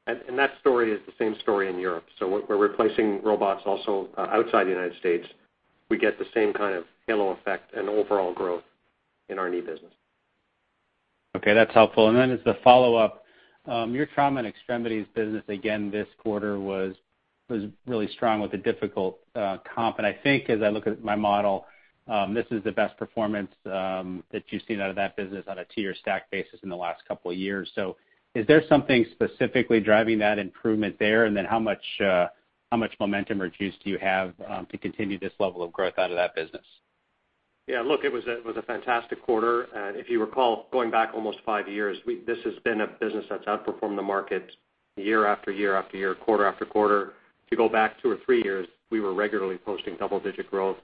That story is the same story in Europe. We're replacing robots also outside the U.S. We get the same kind of halo effect and overall growth in our knee business. Okay, that's helpful. As the follow-up, your trauma and extremities business, again, this quarter was really strong with a difficult comp. I think as I look at my model, this is the best performance that you've seen out of that business on a two-year stack basis in the last couple of years. Is there something specifically driving that improvement there? How much momentum or juice do you have to continue this level of growth out of that business? Yeah, look, it was a fantastic quarter. If you recall, going back almost five years, this has been a business that's outperformed the market year after year after year, quarter after quarter. If you go back two or three years, we were regularly posting double-digit growth.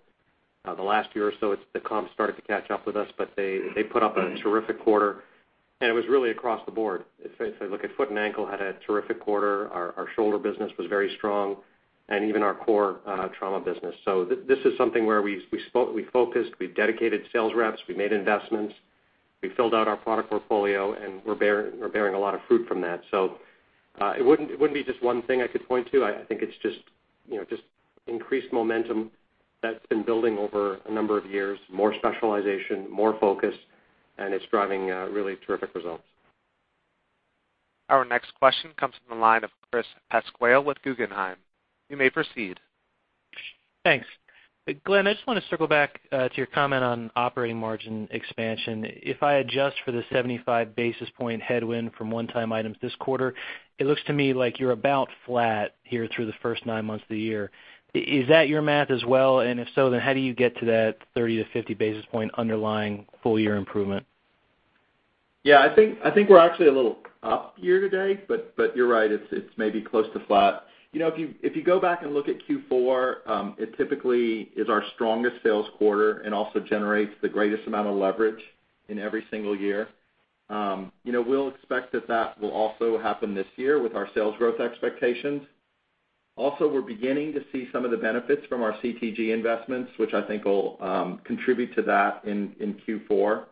The last year or so, the comp started to catch up with us, but they put up a terrific quarter, and it was really across the board. If I look at foot and ankle, had a terrific quarter. Our shoulder business was very strong. Even our core trauma business. This is something where we focused, we dedicated sales reps, we made investments, we filled out our product portfolio, and we're bearing a lot of fruit from that. It wouldn't be just one thing I could point to. I think it's just increased momentum that's been building over a number of years, more specialization, more focus, and it's driving really terrific results. Our next question comes from the line of Chris Pasquale with Guggenheim. You may proceed. Thanks. Glenn, I just want to circle back to your comment on operating margin expansion. If I adjust for the 75 basis point headwind from one-time items this quarter, it looks to me like you're about flat here through the first nine months of the year. Is that your math as well? If so, how do you get to that 30 to 50 basis point underlying full-year improvement? Yeah, I think we're actually a little up year-to-date, but you're right, it's maybe close to flat. If you go back and look at Q4, it typically is our strongest sales quarter and also generates the greatest amount of leverage in every single year. We'll expect that will also happen this year with our sales growth expectations. Also, we're beginning to see some of the benefits from our CTG investments, which I think will contribute to that in Q4.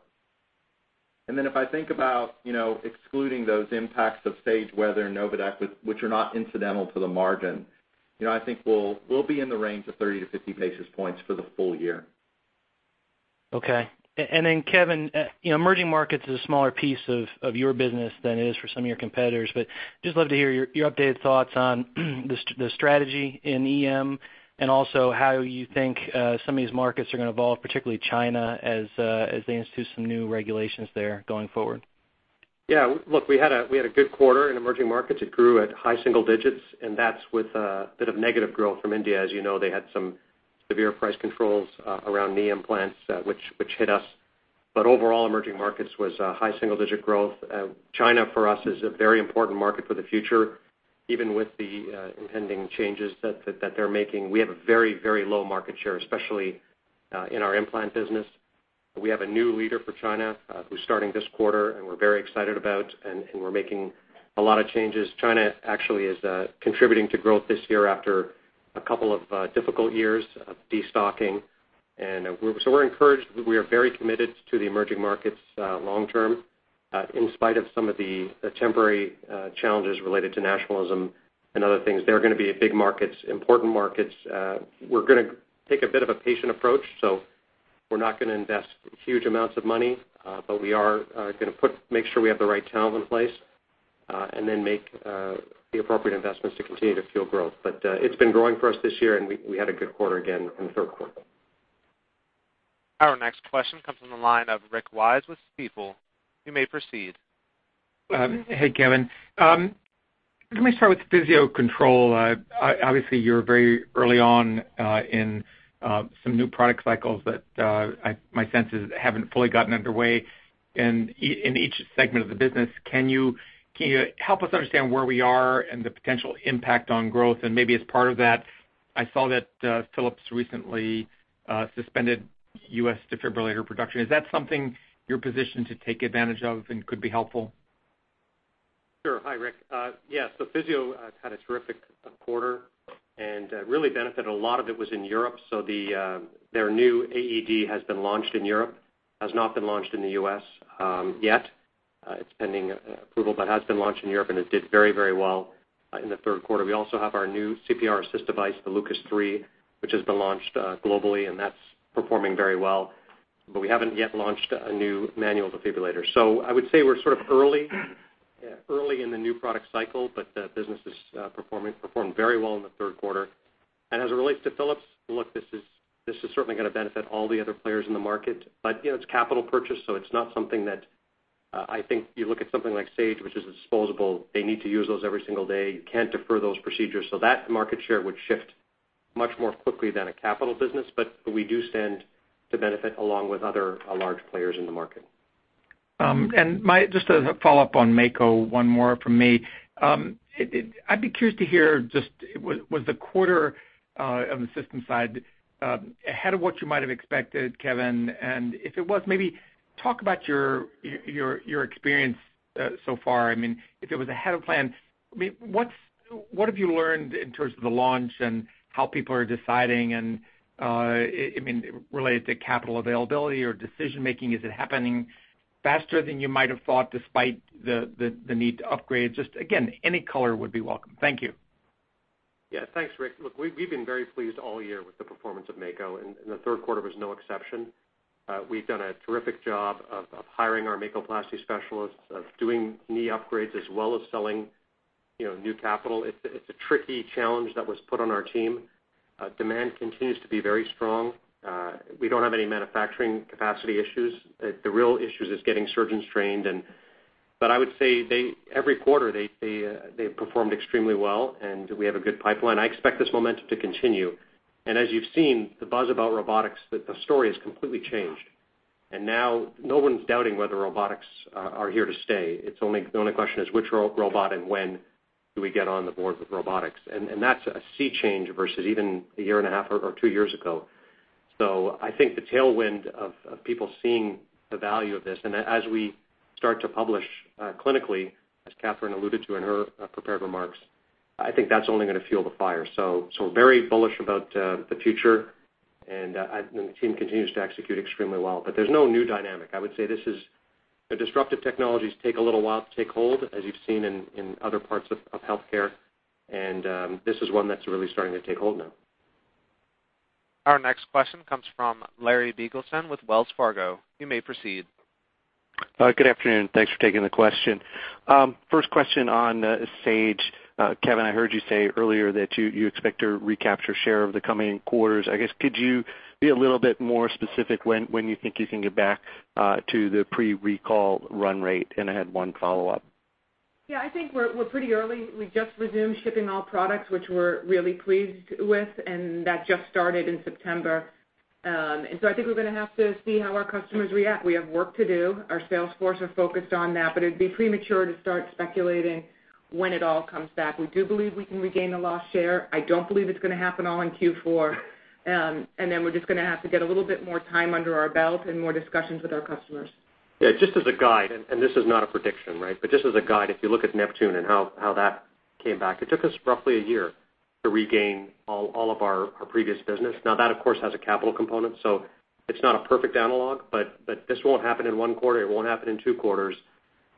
If I think about excluding those impacts of Sage, weather, and NOVADAQ, which are not incidental to the margin, I think we'll be in the range of 30 to 50 basis points for the full year. Okay. Kevin, emerging markets is a smaller piece of your business than it is for some of your competitors, but just love to hear your updated thoughts on the strategy in EM, and also how you think some of these markets are going to evolve, particularly China, as they institute some new regulations there going forward. Yeah, look, we had a good quarter in emerging markets. It grew at high single digits, and that's with a bit of negative growth from India. As you know, they had some severe price controls around knee implants, which hit us. Overall, emerging markets was high single digit growth. China, for us, is a very important market for the future, even with the impending changes that they're making. We have a very low market share, especially in our implant business. We have a new leader for China who's starting this quarter, and we're very excited about, and we're making a lot of changes. China actually is contributing to growth this year after a couple of difficult years of destocking. We're encouraged. We are very committed to the emerging markets long term, in spite of some of the temporary challenges related to nationalism and other things. They're going to be big markets, important markets. We're going to take a bit of a patient approach. We're not going to invest huge amounts of money, but we are going to make sure we have the right talent in place, and then make the appropriate investments to continue to fuel growth. It's been growing for us this year, and we had a good quarter again in the third quarter. Our next question comes from the line of Rick Wise with Stifel. You may proceed. Hey, Kevin. Let me start with Physio-Control. Obviously, you're very early on in some new product cycles that my sense is haven't fully gotten underway. In each segment of the business, can you help us understand where we are and the potential impact on growth? Maybe as part of that, I saw that Philips recently suspended U.S. defibrillator production. Is that something you're positioned to take advantage of and could be helpful? Sure. Hi, Rick. Physio had a terrific quarter and really benefited. A lot of it was in Europe. Their new AED has been launched in Europe, has not been launched in the U.S. yet. It's pending approval but has been launched in Europe, and it did very well in the third quarter. We also have our new CPR assist device, the LUCAS 3, which has been launched globally, and that's performing very well. We haven't yet launched a new manual defibrillator. I would say we're sort of early in the new product cycle, but the business has performed very well in the third quarter. As it relates to Philips, look, this is certainly going to benefit all the other players in the market. It's a capital purchase, so it's not something that I think you look at something like Sage, which is disposable. They need to use those every single day. You can't defer those procedures. That market share would shift much more quickly than a capital business. We do stand to benefit along with other large players in the market. Just a follow-up on Mako, one more from me. I'd be curious to hear just was the quarter on the system side ahead of what you might have expected, Kevin? If it was, maybe talk about your experience so far. If it was ahead of plan, what have you learned in terms of the launch and how people are deciding? Related to capital availability or decision making, is it happening faster than you might have thought despite the need to upgrade? Just again, any color would be welcome. Thank you. Yeah, thanks, Rick. Look, we've been very pleased all year with the performance of Mako, the third quarter was no exception. We've done a terrific job of hiring our Makoplasty specialists, of doing knee upgrades as well as selling new capital. It's a tricky challenge that was put on our team. Demand continues to be very strong. We don't have any manufacturing capacity issues. The real issue is getting surgeons trained, I would say every quarter they've performed extremely well, we have a good pipeline. I expect this momentum to continue. As you've seen, the buzz about robotics, the story has completely changed. Now no one's doubting whether robotics are here to stay. The only question is which robot and when do we get on the board with robotics. That's a sea change versus even one and a half or two years ago. I think the tailwind of people seeing the value of this, as we start to publish clinically, as Katherine alluded to in her prepared remarks, I think that's only going to fuel the fire. Very bullish about the future, the team continues to execute extremely well. There's no new dynamic. I would say disruptive technologies take a little while to take hold, as you've seen in other parts of healthcare, this is one that's really starting to take hold now. Our next question comes from Larry Biegelsen with Wells Fargo. You may proceed. Good afternoon, thanks for taking the question. First question on Sage. Kevin, I heard you say earlier that you expect to recapture share over the coming quarters. I guess could you be a little bit more specific when you think you can get back to the pre-recall run rate? I had one follow-up. Yeah, I think we're pretty early. We just resumed shipping all products, which we're really pleased with, and that just started in September. So I think we're going to have to see how our customers react. We have work to do. Our sales force are focused on that, but it'd be premature to start speculating when it all comes back. We do believe we can regain the lost share. I don't believe it's going to happen all in Q4. Then we're just going to have to get a little bit more time under our belt and more discussions with our customers. Yeah, just as a guide, and this is not a prediction, right? Just as a guide, if you look at Neptune and how that came back, it took us roughly a year to regain all of our previous business. Now that, of course, has a capital component, so it's not a perfect analog, but this won't happen in one quarter, it won't happen in two quarters.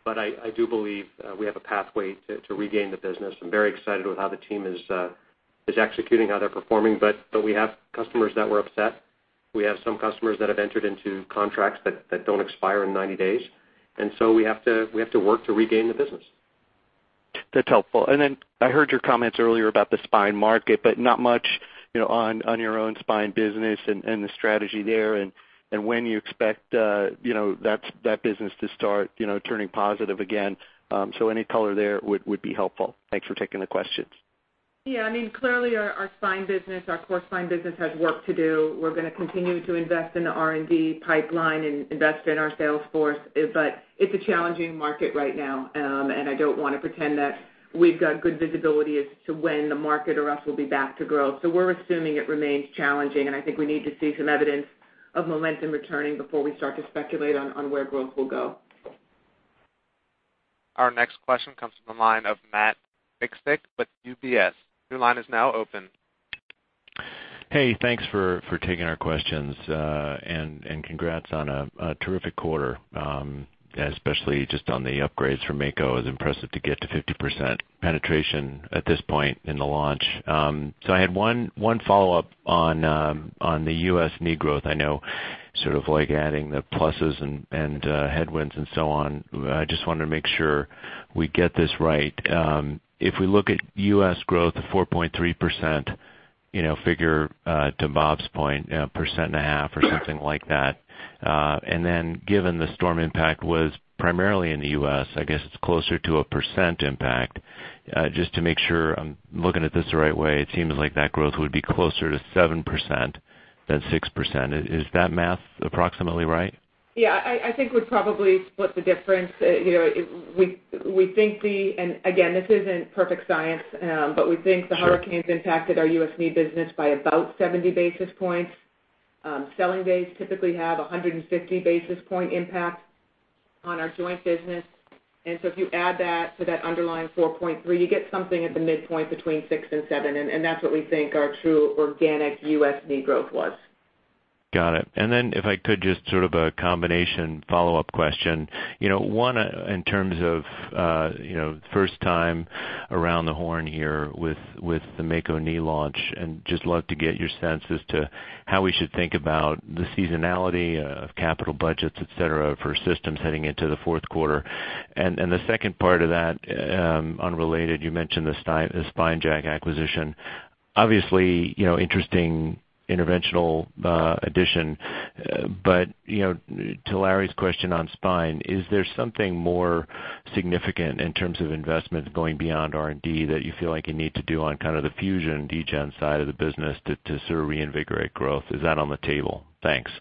I do believe we have a pathway to regain the business. I'm very excited with how the team is executing, how they're performing. We have customers that were upset. We have some customers that have entered into contracts that don't expire in 90 days. So we have to work to regain the business. That's helpful. I heard your comments earlier about the spine market, but not much on your own spine business and the strategy there and when you expect that business to start turning positive again. Any color there would be helpful. Thanks for taking the questions. Yeah, clearly our core spine business has work to do. We're going to continue to invest in the R&D pipeline and invest in our sales force, but it's a challenging market right now. I don't want to pretend that we've got good visibility as to when the market or us will be back to growth. We're assuming it remains challenging, and I think we need to see some evidence of momentum returning before we start to speculate on where growth will go. Our next question comes from the line of Matt Miksic with UBS. Your line is now open. Hey, thanks for taking our questions, and congrats on a terrific quarter, especially just on the upgrades for Mako. It's impressive to get to 50% penetration at this point in the launch. I had one follow-up on the U.S. knee growth. I know sort of like adding the pluses and headwinds and so on, I just wanted to make sure we get this right. If we look at U.S. growth of 4.3% figure, to Bob's point, 1.5% or something like that. Given the storm impact was primarily in the U.S., I guess it's closer to a 1% impact. Just to make sure I'm looking at this the right way, it seems like that growth would be closer to 7% than 6%. Is that math approximately right? Yeah, I think we'd probably split the difference. Again, this isn't perfect science. Sure We think the hurricanes impacted our U.S. knee business by about 70 basis points. Selling days typically have 150 basis point impact on our joint business. If you add that to that underlying 4.3, you get something at the midpoint between six and seven, that's what we think our true organic U.S. knee growth was. Got it. If I could, just sort of a combination follow-up question. One, in terms of first time around the horn here with the Mako knee launch, just love to get your sense as to how we should think about the seasonality of capital budgets, et cetera, for systems heading into the fourth quarter. The second part of that, unrelated, you mentioned the SpineJack acquisition. Obviously interesting interventional addition. To Larry's question on spine, is there something more significant in terms of investments going beyond R&D that you feel like you need to do on kind of the fusion degen side of the business to sort of reinvigorate growth? Is that on the table? Thanks.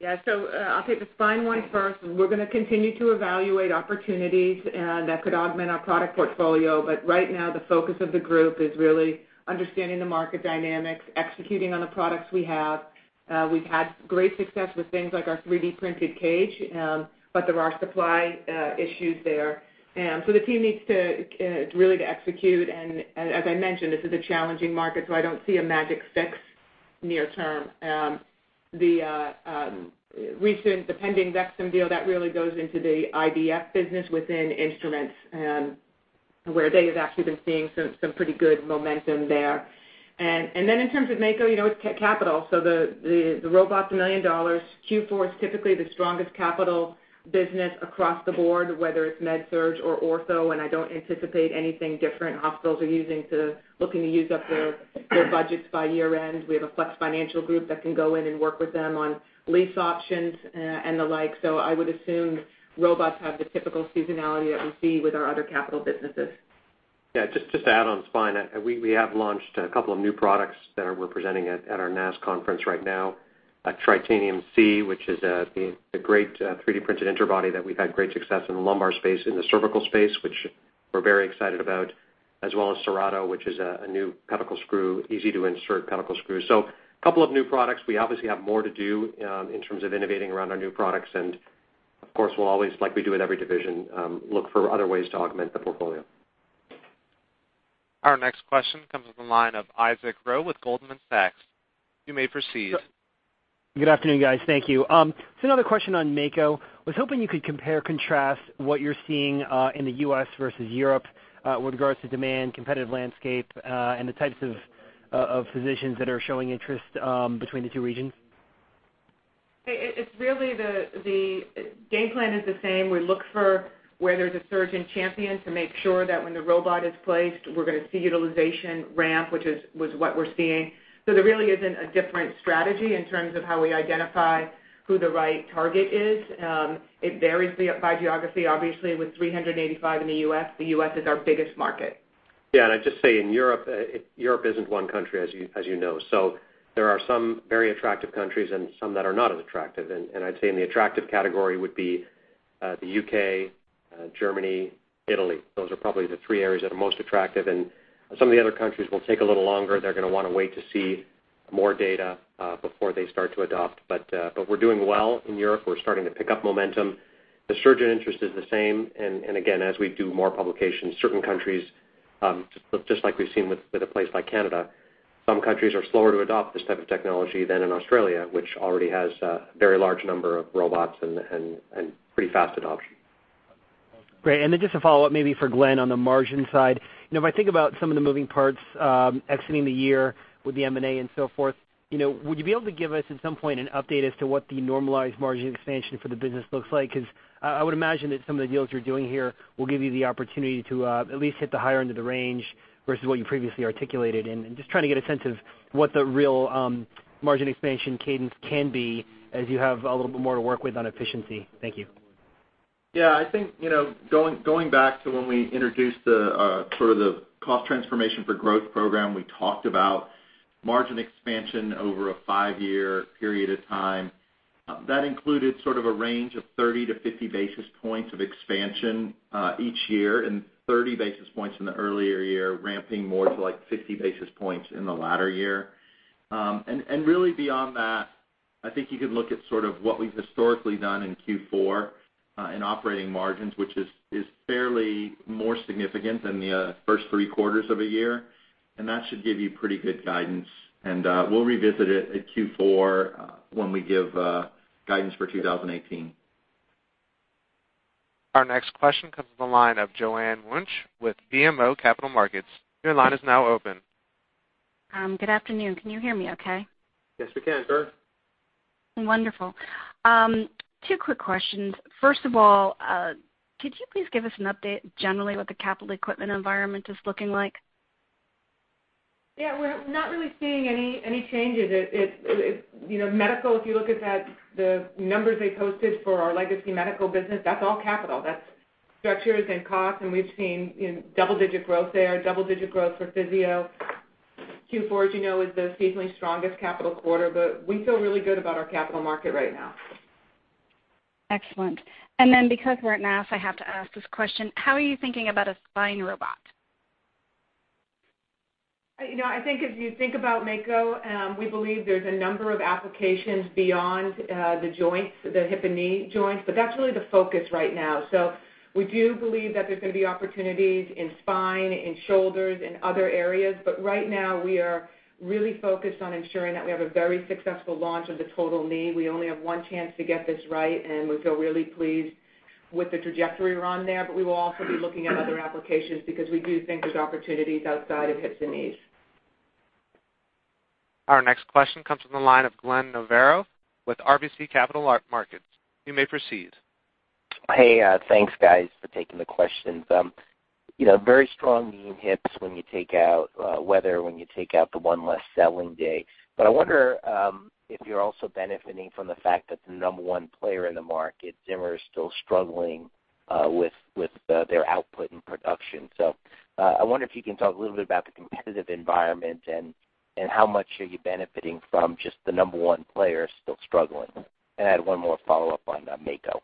Yeah. I'll take the spine one first. We're going to continue to evaluate opportunities that could augment our product portfolio. Right now, the focus of the group is really understanding the market dynamics, executing on the products we have. We've had great success with things like our 3D printed cage, but there are supply issues there. The team needs to really execute and as I mentioned, this is a challenging market, I don't see a magic fix near term. The pending VEXIM deal, that really goes into the IVS business within instruments, where they have actually been seeing some pretty good momentum there. In terms of Mako, it's capital. The robot's $1 million. Q4 is typically the strongest capital business across the board, whether it's MedSurg or Ortho, I don't anticipate anything different. Hospitals are looking to use up their budgets by year-end. We have a Flex Financial group that can go in and work with them on lease options and the like. I would assume robots have the typical seasonality that we see with our other capital businesses. Just to add on spine, we have launched a couple of new products that we're presenting at our NASS right now. Tritanium C, which is the great 3D-printed interbody that we've had great success in the lumbar space, in the cervical space, which we're very excited about. As well as Serrato, which is a new pedicle screw, easy to insert pedicle screw. A couple of new products. We obviously have more to do in terms of innovating around our new products. Of course, we'll always, like we do at every division, look for other ways to augment the portfolio. Our next question comes from the line of Isaac Ro with Goldman Sachs. You may proceed. Good afternoon, guys. Thank you. Another question on Mako. I was hoping you could compare and contrast what you're seeing in the U.S. versus Europe with regards to demand, competitive landscape, and the types of physicians that are showing interest between the two regions. It's really the game plan is the same. We look for where there's a surgeon champion to make sure that when the robot is placed, we're going to see utilization ramp, which is what we're seeing. There really isn't a different strategy in terms of how we identify who the right target is. It varies by geography, obviously, with 385 in the U.S. The U.S. is our biggest market. I'd just say, in Europe isn't one country, as you know. There are some very attractive countries and some that are not as attractive. I'd say in the attractive category would be the U.K., Germany, Italy. Those are probably the three areas that are most attractive, and some of the other countries will take a little longer. They're going to want to wait to see more data, before they start to adopt. We're doing well in Europe. We're starting to pick up momentum. The surgeon interest is the same, and again, as we do more publications, certain countries, just like we've seen with a place like Canada, some countries are slower to adopt this type of technology than in Australia, which already has a very large number of robots and pretty fast adoption. Great. Just a follow-up, maybe for Glenn on the margin side. If I think about some of the moving parts exiting the year with the M&A and so forth, would you be able to give us, at some point, an update as to what the normalized margin expansion for the business looks like? I would imagine that some of the deals you're doing here will give you the opportunity to at least hit the higher end of the range versus what you previously articulated. Just trying to get a sense of what the real margin expansion cadence can be as you have a little bit more to work with on efficiency. Thank you. I think, going back to when we introduced the sort of Cost Transformation for Growth program, we talked about margin expansion over a five-year period of time. That included sort of a range of 30 to 50 basis points of expansion each year, and 30 basis points in the earlier year, ramping more to like 50 basis points in the latter year. Really beyond that, I think you could look at sort of what we've historically done in Q4 in operating margins, which is fairly more significant than the first three quarters of a year, and that should give you pretty good guidance. We'll revisit it at Q4 when we give guidance for 2018. Our next question comes from the line of Joanne Wuensch with BMO Capital Markets. Your line is now open. Good afternoon. Can you hear me okay? Yes, we can. Go ahead. Wonderful. Two quick questions. First of all, could you please give us an update generally what the capital equipment environment is looking like? Yeah. We're not really seeing any changes. Medical, if you look at the numbers they posted for our legacy medical business, that's all capital. That's structures and costs, and we've seen double-digit growth there, double-digit growth for physio. Q4, as you know, is the seasonally strongest capital quarter, but we feel really good about our capital market right now. Excellent. Because we're at NASS, I have to ask this question, how are you thinking about a spine robot? I think if you think about Mako, we believe there's a number of applications beyond the joints, the hip and knee joints, but that's really the focus right now. We do believe that there's going to be opportunities in spine, in shoulders, and other areas, but right now we are really focused on ensuring that we have a very successful launch of the total knee. We only have one chance to get this right, and we feel really pleased with the trajectory we're on there. We will also be looking at other applications because we do think there's opportunities outside of hips and knees. Our next question comes from the line of Glenn Novarro with RBC Capital Markets. You may proceed. Hey, thanks, guys, for taking the questions. Very strong knee and hips when you take out weather, when you take out the one less selling day. I wonder if you're also benefiting from the fact that the number 1 player in the market, Zimmer, is still struggling with their output and production. I wonder if you can talk a little bit about the competitive environment, and how much are you benefiting from just the number 1 player still struggling? I had one more follow-up on Mako.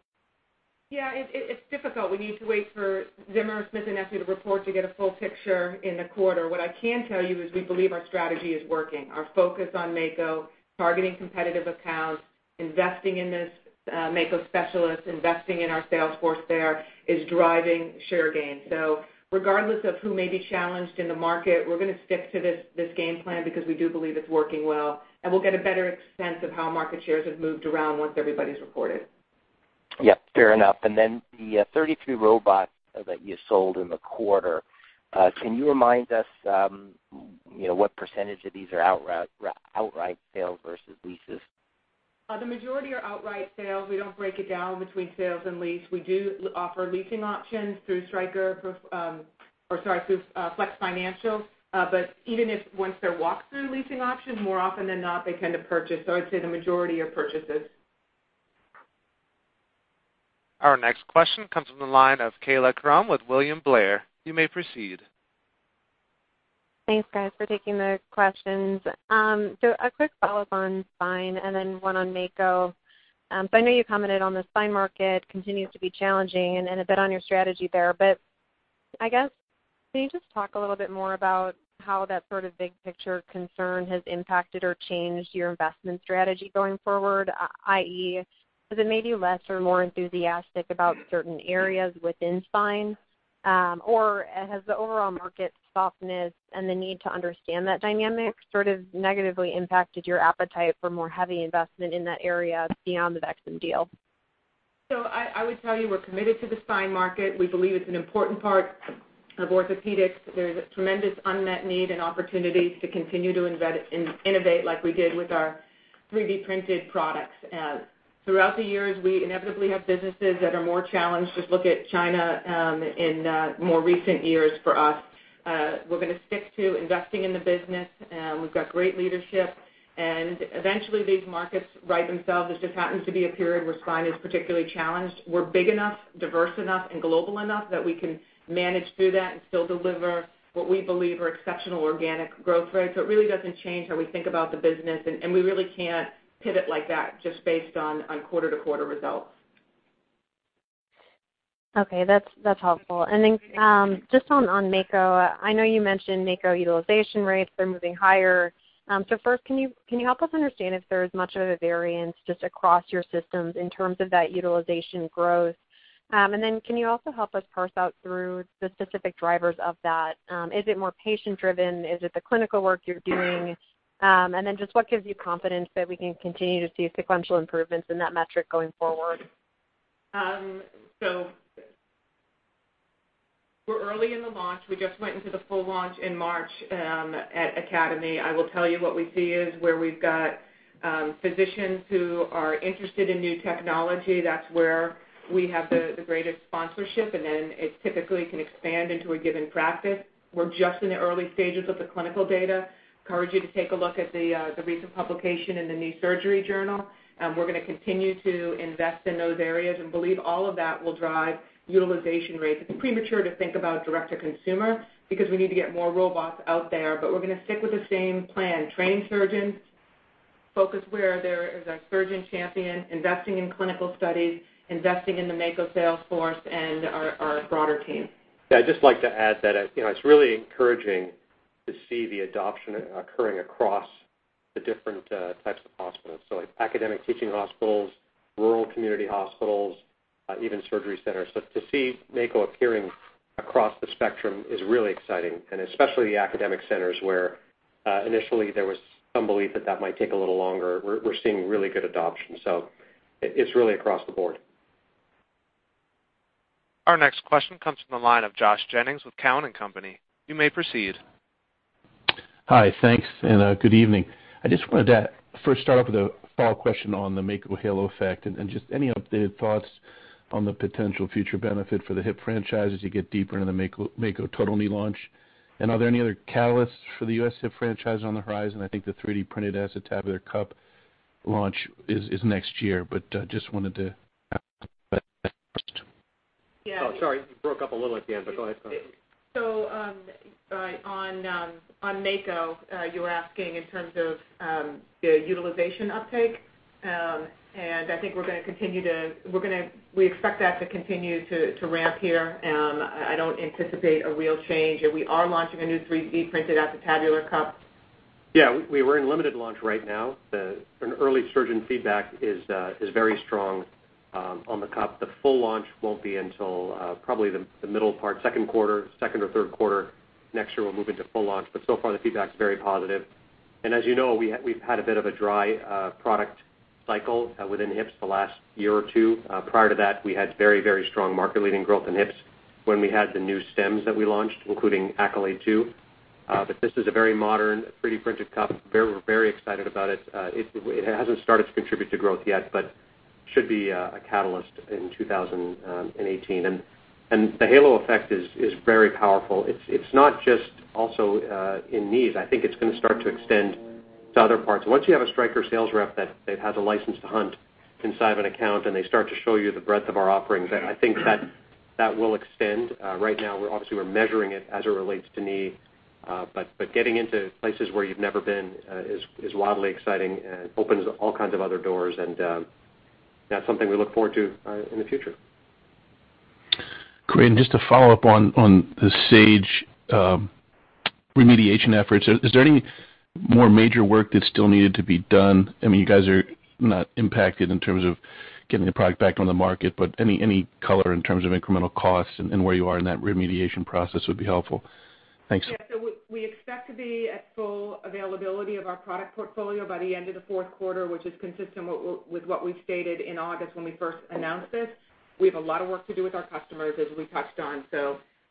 Yeah. It's difficult. We need to wait for Zimmer, Smith+Nephew to report to get a full picture in the quarter. What I can tell you is we believe our strategy is working. Our focus on Mako, targeting competitive accounts, investing in this Mako specialist, investing in our sales force there is driving share gain. Regardless of who may be challenged in the market, we're going to stick to this game plan because we do believe it's working well, and we'll get a better sense of how market shares have moved around once everybody's reported. Yep, fair enough. The 33 robots that you sold in the quarter, can you remind us what % of these are outright sales versus leases? The majority are outright sales. We don't break it down between sales and lease. We do offer leasing options through Stryker, or sorry, through Flex Financial. Even if once they're walked through a leasing option, more often than not, they tend to purchase. I'd say the majority are purchases. Our next question comes from the line of Kaila Krum with William Blair. You may proceed. Thanks, guys, for taking the questions. A quick follow-up on Spine, and then one on Mako. I know you commented on the Spine market continues to be challenging and a bit on your strategy there. I guess, can you just talk a little bit more about how that sort of big picture concern has impacted or changed your investment strategy going forward, i.e., has it made you less or more enthusiastic about certain areas within Spine? Has the overall market softness and the need to understand that dynamic sort of negatively impacted your appetite for more heavy investment in that area beyond the VEXIM deal? I would tell you we're committed to the Spine market. We believe it's an important part of Orthopaedics. There's a tremendous unmet need and opportunities to continue to innovate like we did with our 3D-printed products. Throughout the years, we inevitably have businesses that are more challenged. Just look at China in more recent years for us. We're going to stick to investing in the business. We've got great leadership, and eventually these markets right themselves. This just happens to be a period where Spine is particularly challenged. We're big enough, diverse enough and global enough that we can manage through that and still deliver what we believe are exceptional organic growth rates. It really doesn't change how we think about the business, and we really can't pivot like that just based on quarter-to-quarter results. Okay. That's helpful. Just on Mako. I know you mentioned Mako utilization rates are moving higher. First, can you help us understand if there's much of a variance just across your systems in terms of that utilization growth? Can you also help us parse out through the specific drivers of that? Is it more patient-driven? Is it the clinical work you're doing? Just what gives you confidence that we can continue to see sequential improvements in that metric going forward? We're early in the launch. We just went into the full launch in March at AAOS Meeting. I will tell you what we see is where we've got physicians who are interested in new technology, that's where we have the greatest sponsorship, and then it typically can expand into a given practice. We're just in the early stages of the clinical data. Encourage you to take a look at the recent publication in The Journal of Knee Surgery. We're going to continue to invest in those areas and believe all of that will drive utilization rates. It's premature to think about direct to consumer because we need to get more robots out there. We're going to stick with the same plan, train surgeons, focus where there is a surgeon champion, investing in clinical studies, investing in the Mako sales force and our broader team. I'd just like to add that it's really encouraging to see the adoption occurring across the different types of hospitals. Academic teaching hospitals, rural community hospitals, even surgery centers. To see Mako appearing across the spectrum is really exciting, and especially the academic centers where initially there was some belief that that might take a little longer. We're seeing really good adoption, it's really across the board. Our next question comes from the line of Joshua Jennings with Cowen and Company. You may proceed. Hi. Thanks, good evening. I just wanted to first start off with a follow-up question on the Mako halo effect and just any updated thoughts on the potential future benefit for the hip franchise as you get deeper into the Mako Total Knee launch. Are there any other catalysts for the U.S. hip franchise on the horizon? I think the 3D-printed acetabular cup launch is next year, just wanted to ask first. Yeah. Sorry. You broke up a little at the end, go ahead. On Mako, you were asking in terms of the utilization uptake. I think we expect that to continue to ramp here. I don't anticipate a real change. We are launching a new 3D-printed acetabular cup. Yeah, we're in limited launch right now. An early surgeon feedback is very strong on the cup. The full launch won't be until probably the middle part, second quarter, second or third quarter next year, we'll move into full launch. So far, the feedback's very positive. As you know, we've had a bit of a dry product cycle within hips the last year or two. Prior to that, we had very strong market-leading growth in hips when we had the new stems that we launched, including Accolade II. This is a very modern 3D-printed cup. We're very excited about it. It hasn't started to contribute to growth yet, should be a catalyst in 2018. The halo effect is very powerful. It's not just also in knees. I think it's going to start to extend to other parts. Once you have a Stryker sales rep that has a license to hunt inside of an account, they start to show you the breadth of our offerings, I think that will extend. Right now, obviously, we're measuring it as it relates to knee. Getting into places where you've never been is wildly exciting and opens all kinds of other doors, and that's something we look forward to in the future. Just to follow up on the Sage remediation efforts. Is there any more major work that's still needed to be done? You guys are not impacted in terms of getting the product back on the market, but any color in terms of incremental costs and where you are in that remediation process would be helpful. Thanks. Yeah. We expect to be at full availability of our product portfolio by the end of the fourth quarter, which is consistent with what we've stated in August when we first announced this. We have a lot of work to do with our customers, as we touched on.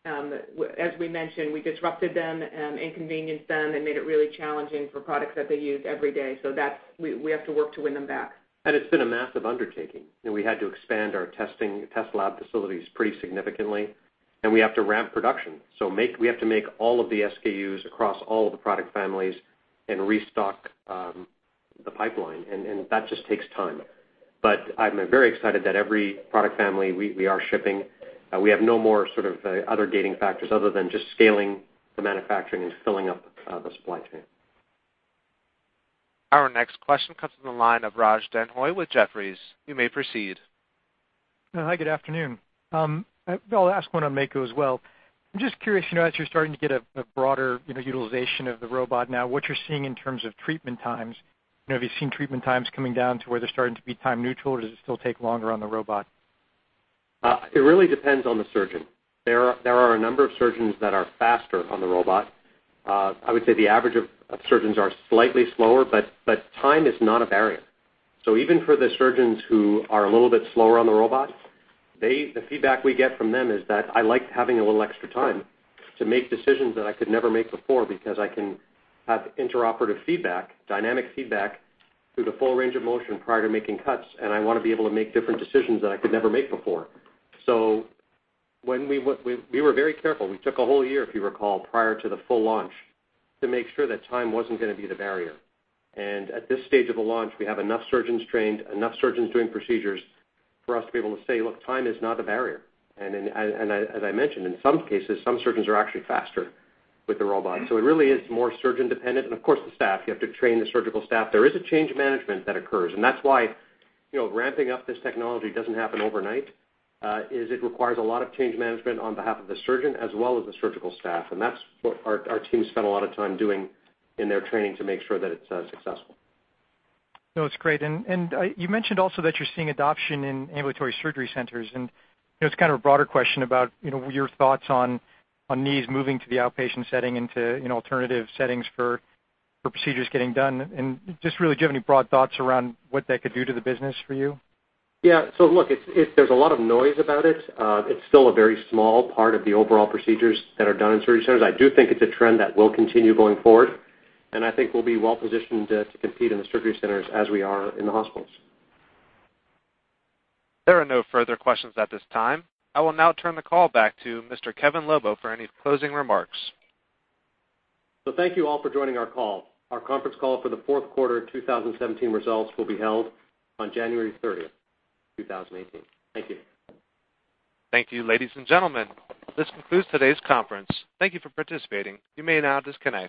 As we mentioned, we disrupted them, inconvenienced them, and made it really challenging for products that they use every day. We have to work to win them back. It's been a massive undertaking. We had to expand our test lab facilities pretty significantly, and we have to ramp production. We have to make all of the SKUs across all of the product families and restock the pipeline, and that just takes time. I'm very excited that every product family, we are shipping. We have no more sort of other gating factors other than just scaling the manufacturing and filling up the supply chain. Our next question comes from the line of Raj Denhoy with Jefferies. You may proceed. Hi, good afternoon. I'll ask one on Mako as well. I'm just curious, as you're starting to get a broader utilization of the robot now, what you're seeing in terms of treatment times. Have you seen treatment times coming down to where they're starting to be time neutral, or does it still take longer on the robot? It really depends on the surgeon. There are a number of surgeons that are faster on the robot. I would say the average of surgeons are slightly slower, but time is not a barrier. Even for the surgeons who are a little bit slower on the robot, the feedback we get from them is that I like having a little extra time to make decisions that I could never make before because I can have interoperative feedback, dynamic feedback through the full range of motion prior to making cuts, and I want to be able to make different decisions that I could never make before. We were very careful. We took a whole year, if you recall, prior to the full launch to make sure that time wasn't going to be the barrier. At this stage of the launch, we have enough surgeons trained, enough surgeons doing procedures for us to be able to say, look, time is not a barrier. As I mentioned, in some cases, some surgeons are actually faster with the robot. It really is more surgeon dependent and of course the staff. You have to train the surgical staff. There is a change management that occurs and that's why ramping up this technology doesn't happen overnight, is it requires a lot of change management on behalf of the surgeon as well as the surgical staff and that's what our team spent a lot of time doing in their training to make sure that it's successful. No, it's great. You mentioned also that you're seeing adoption in ambulatory surgery centers and it's kind of a broader question about your thoughts on knees moving to the outpatient setting into alternative settings for procedures getting done and just really, do you have any broad thoughts around what that could do to the business for you? Yeah. Look, there's a lot of noise about it. It's still a very small part of the overall procedures that are done in surgery centers. I do think it's a trend that will continue going forward, and I think we'll be well positioned to compete in the surgery centers as we are in the hospitals. There are no further questions at this time. I will now turn the call back to Mr. Kevin Lobo for any closing remarks. Thank you all for joining our call. Our conference call for the fourth quarter 2017 results will be held on January 30th, 2018. Thank you. Thank you, ladies and gentlemen. This concludes today's conference. Thank you for participating. You may now disconnect.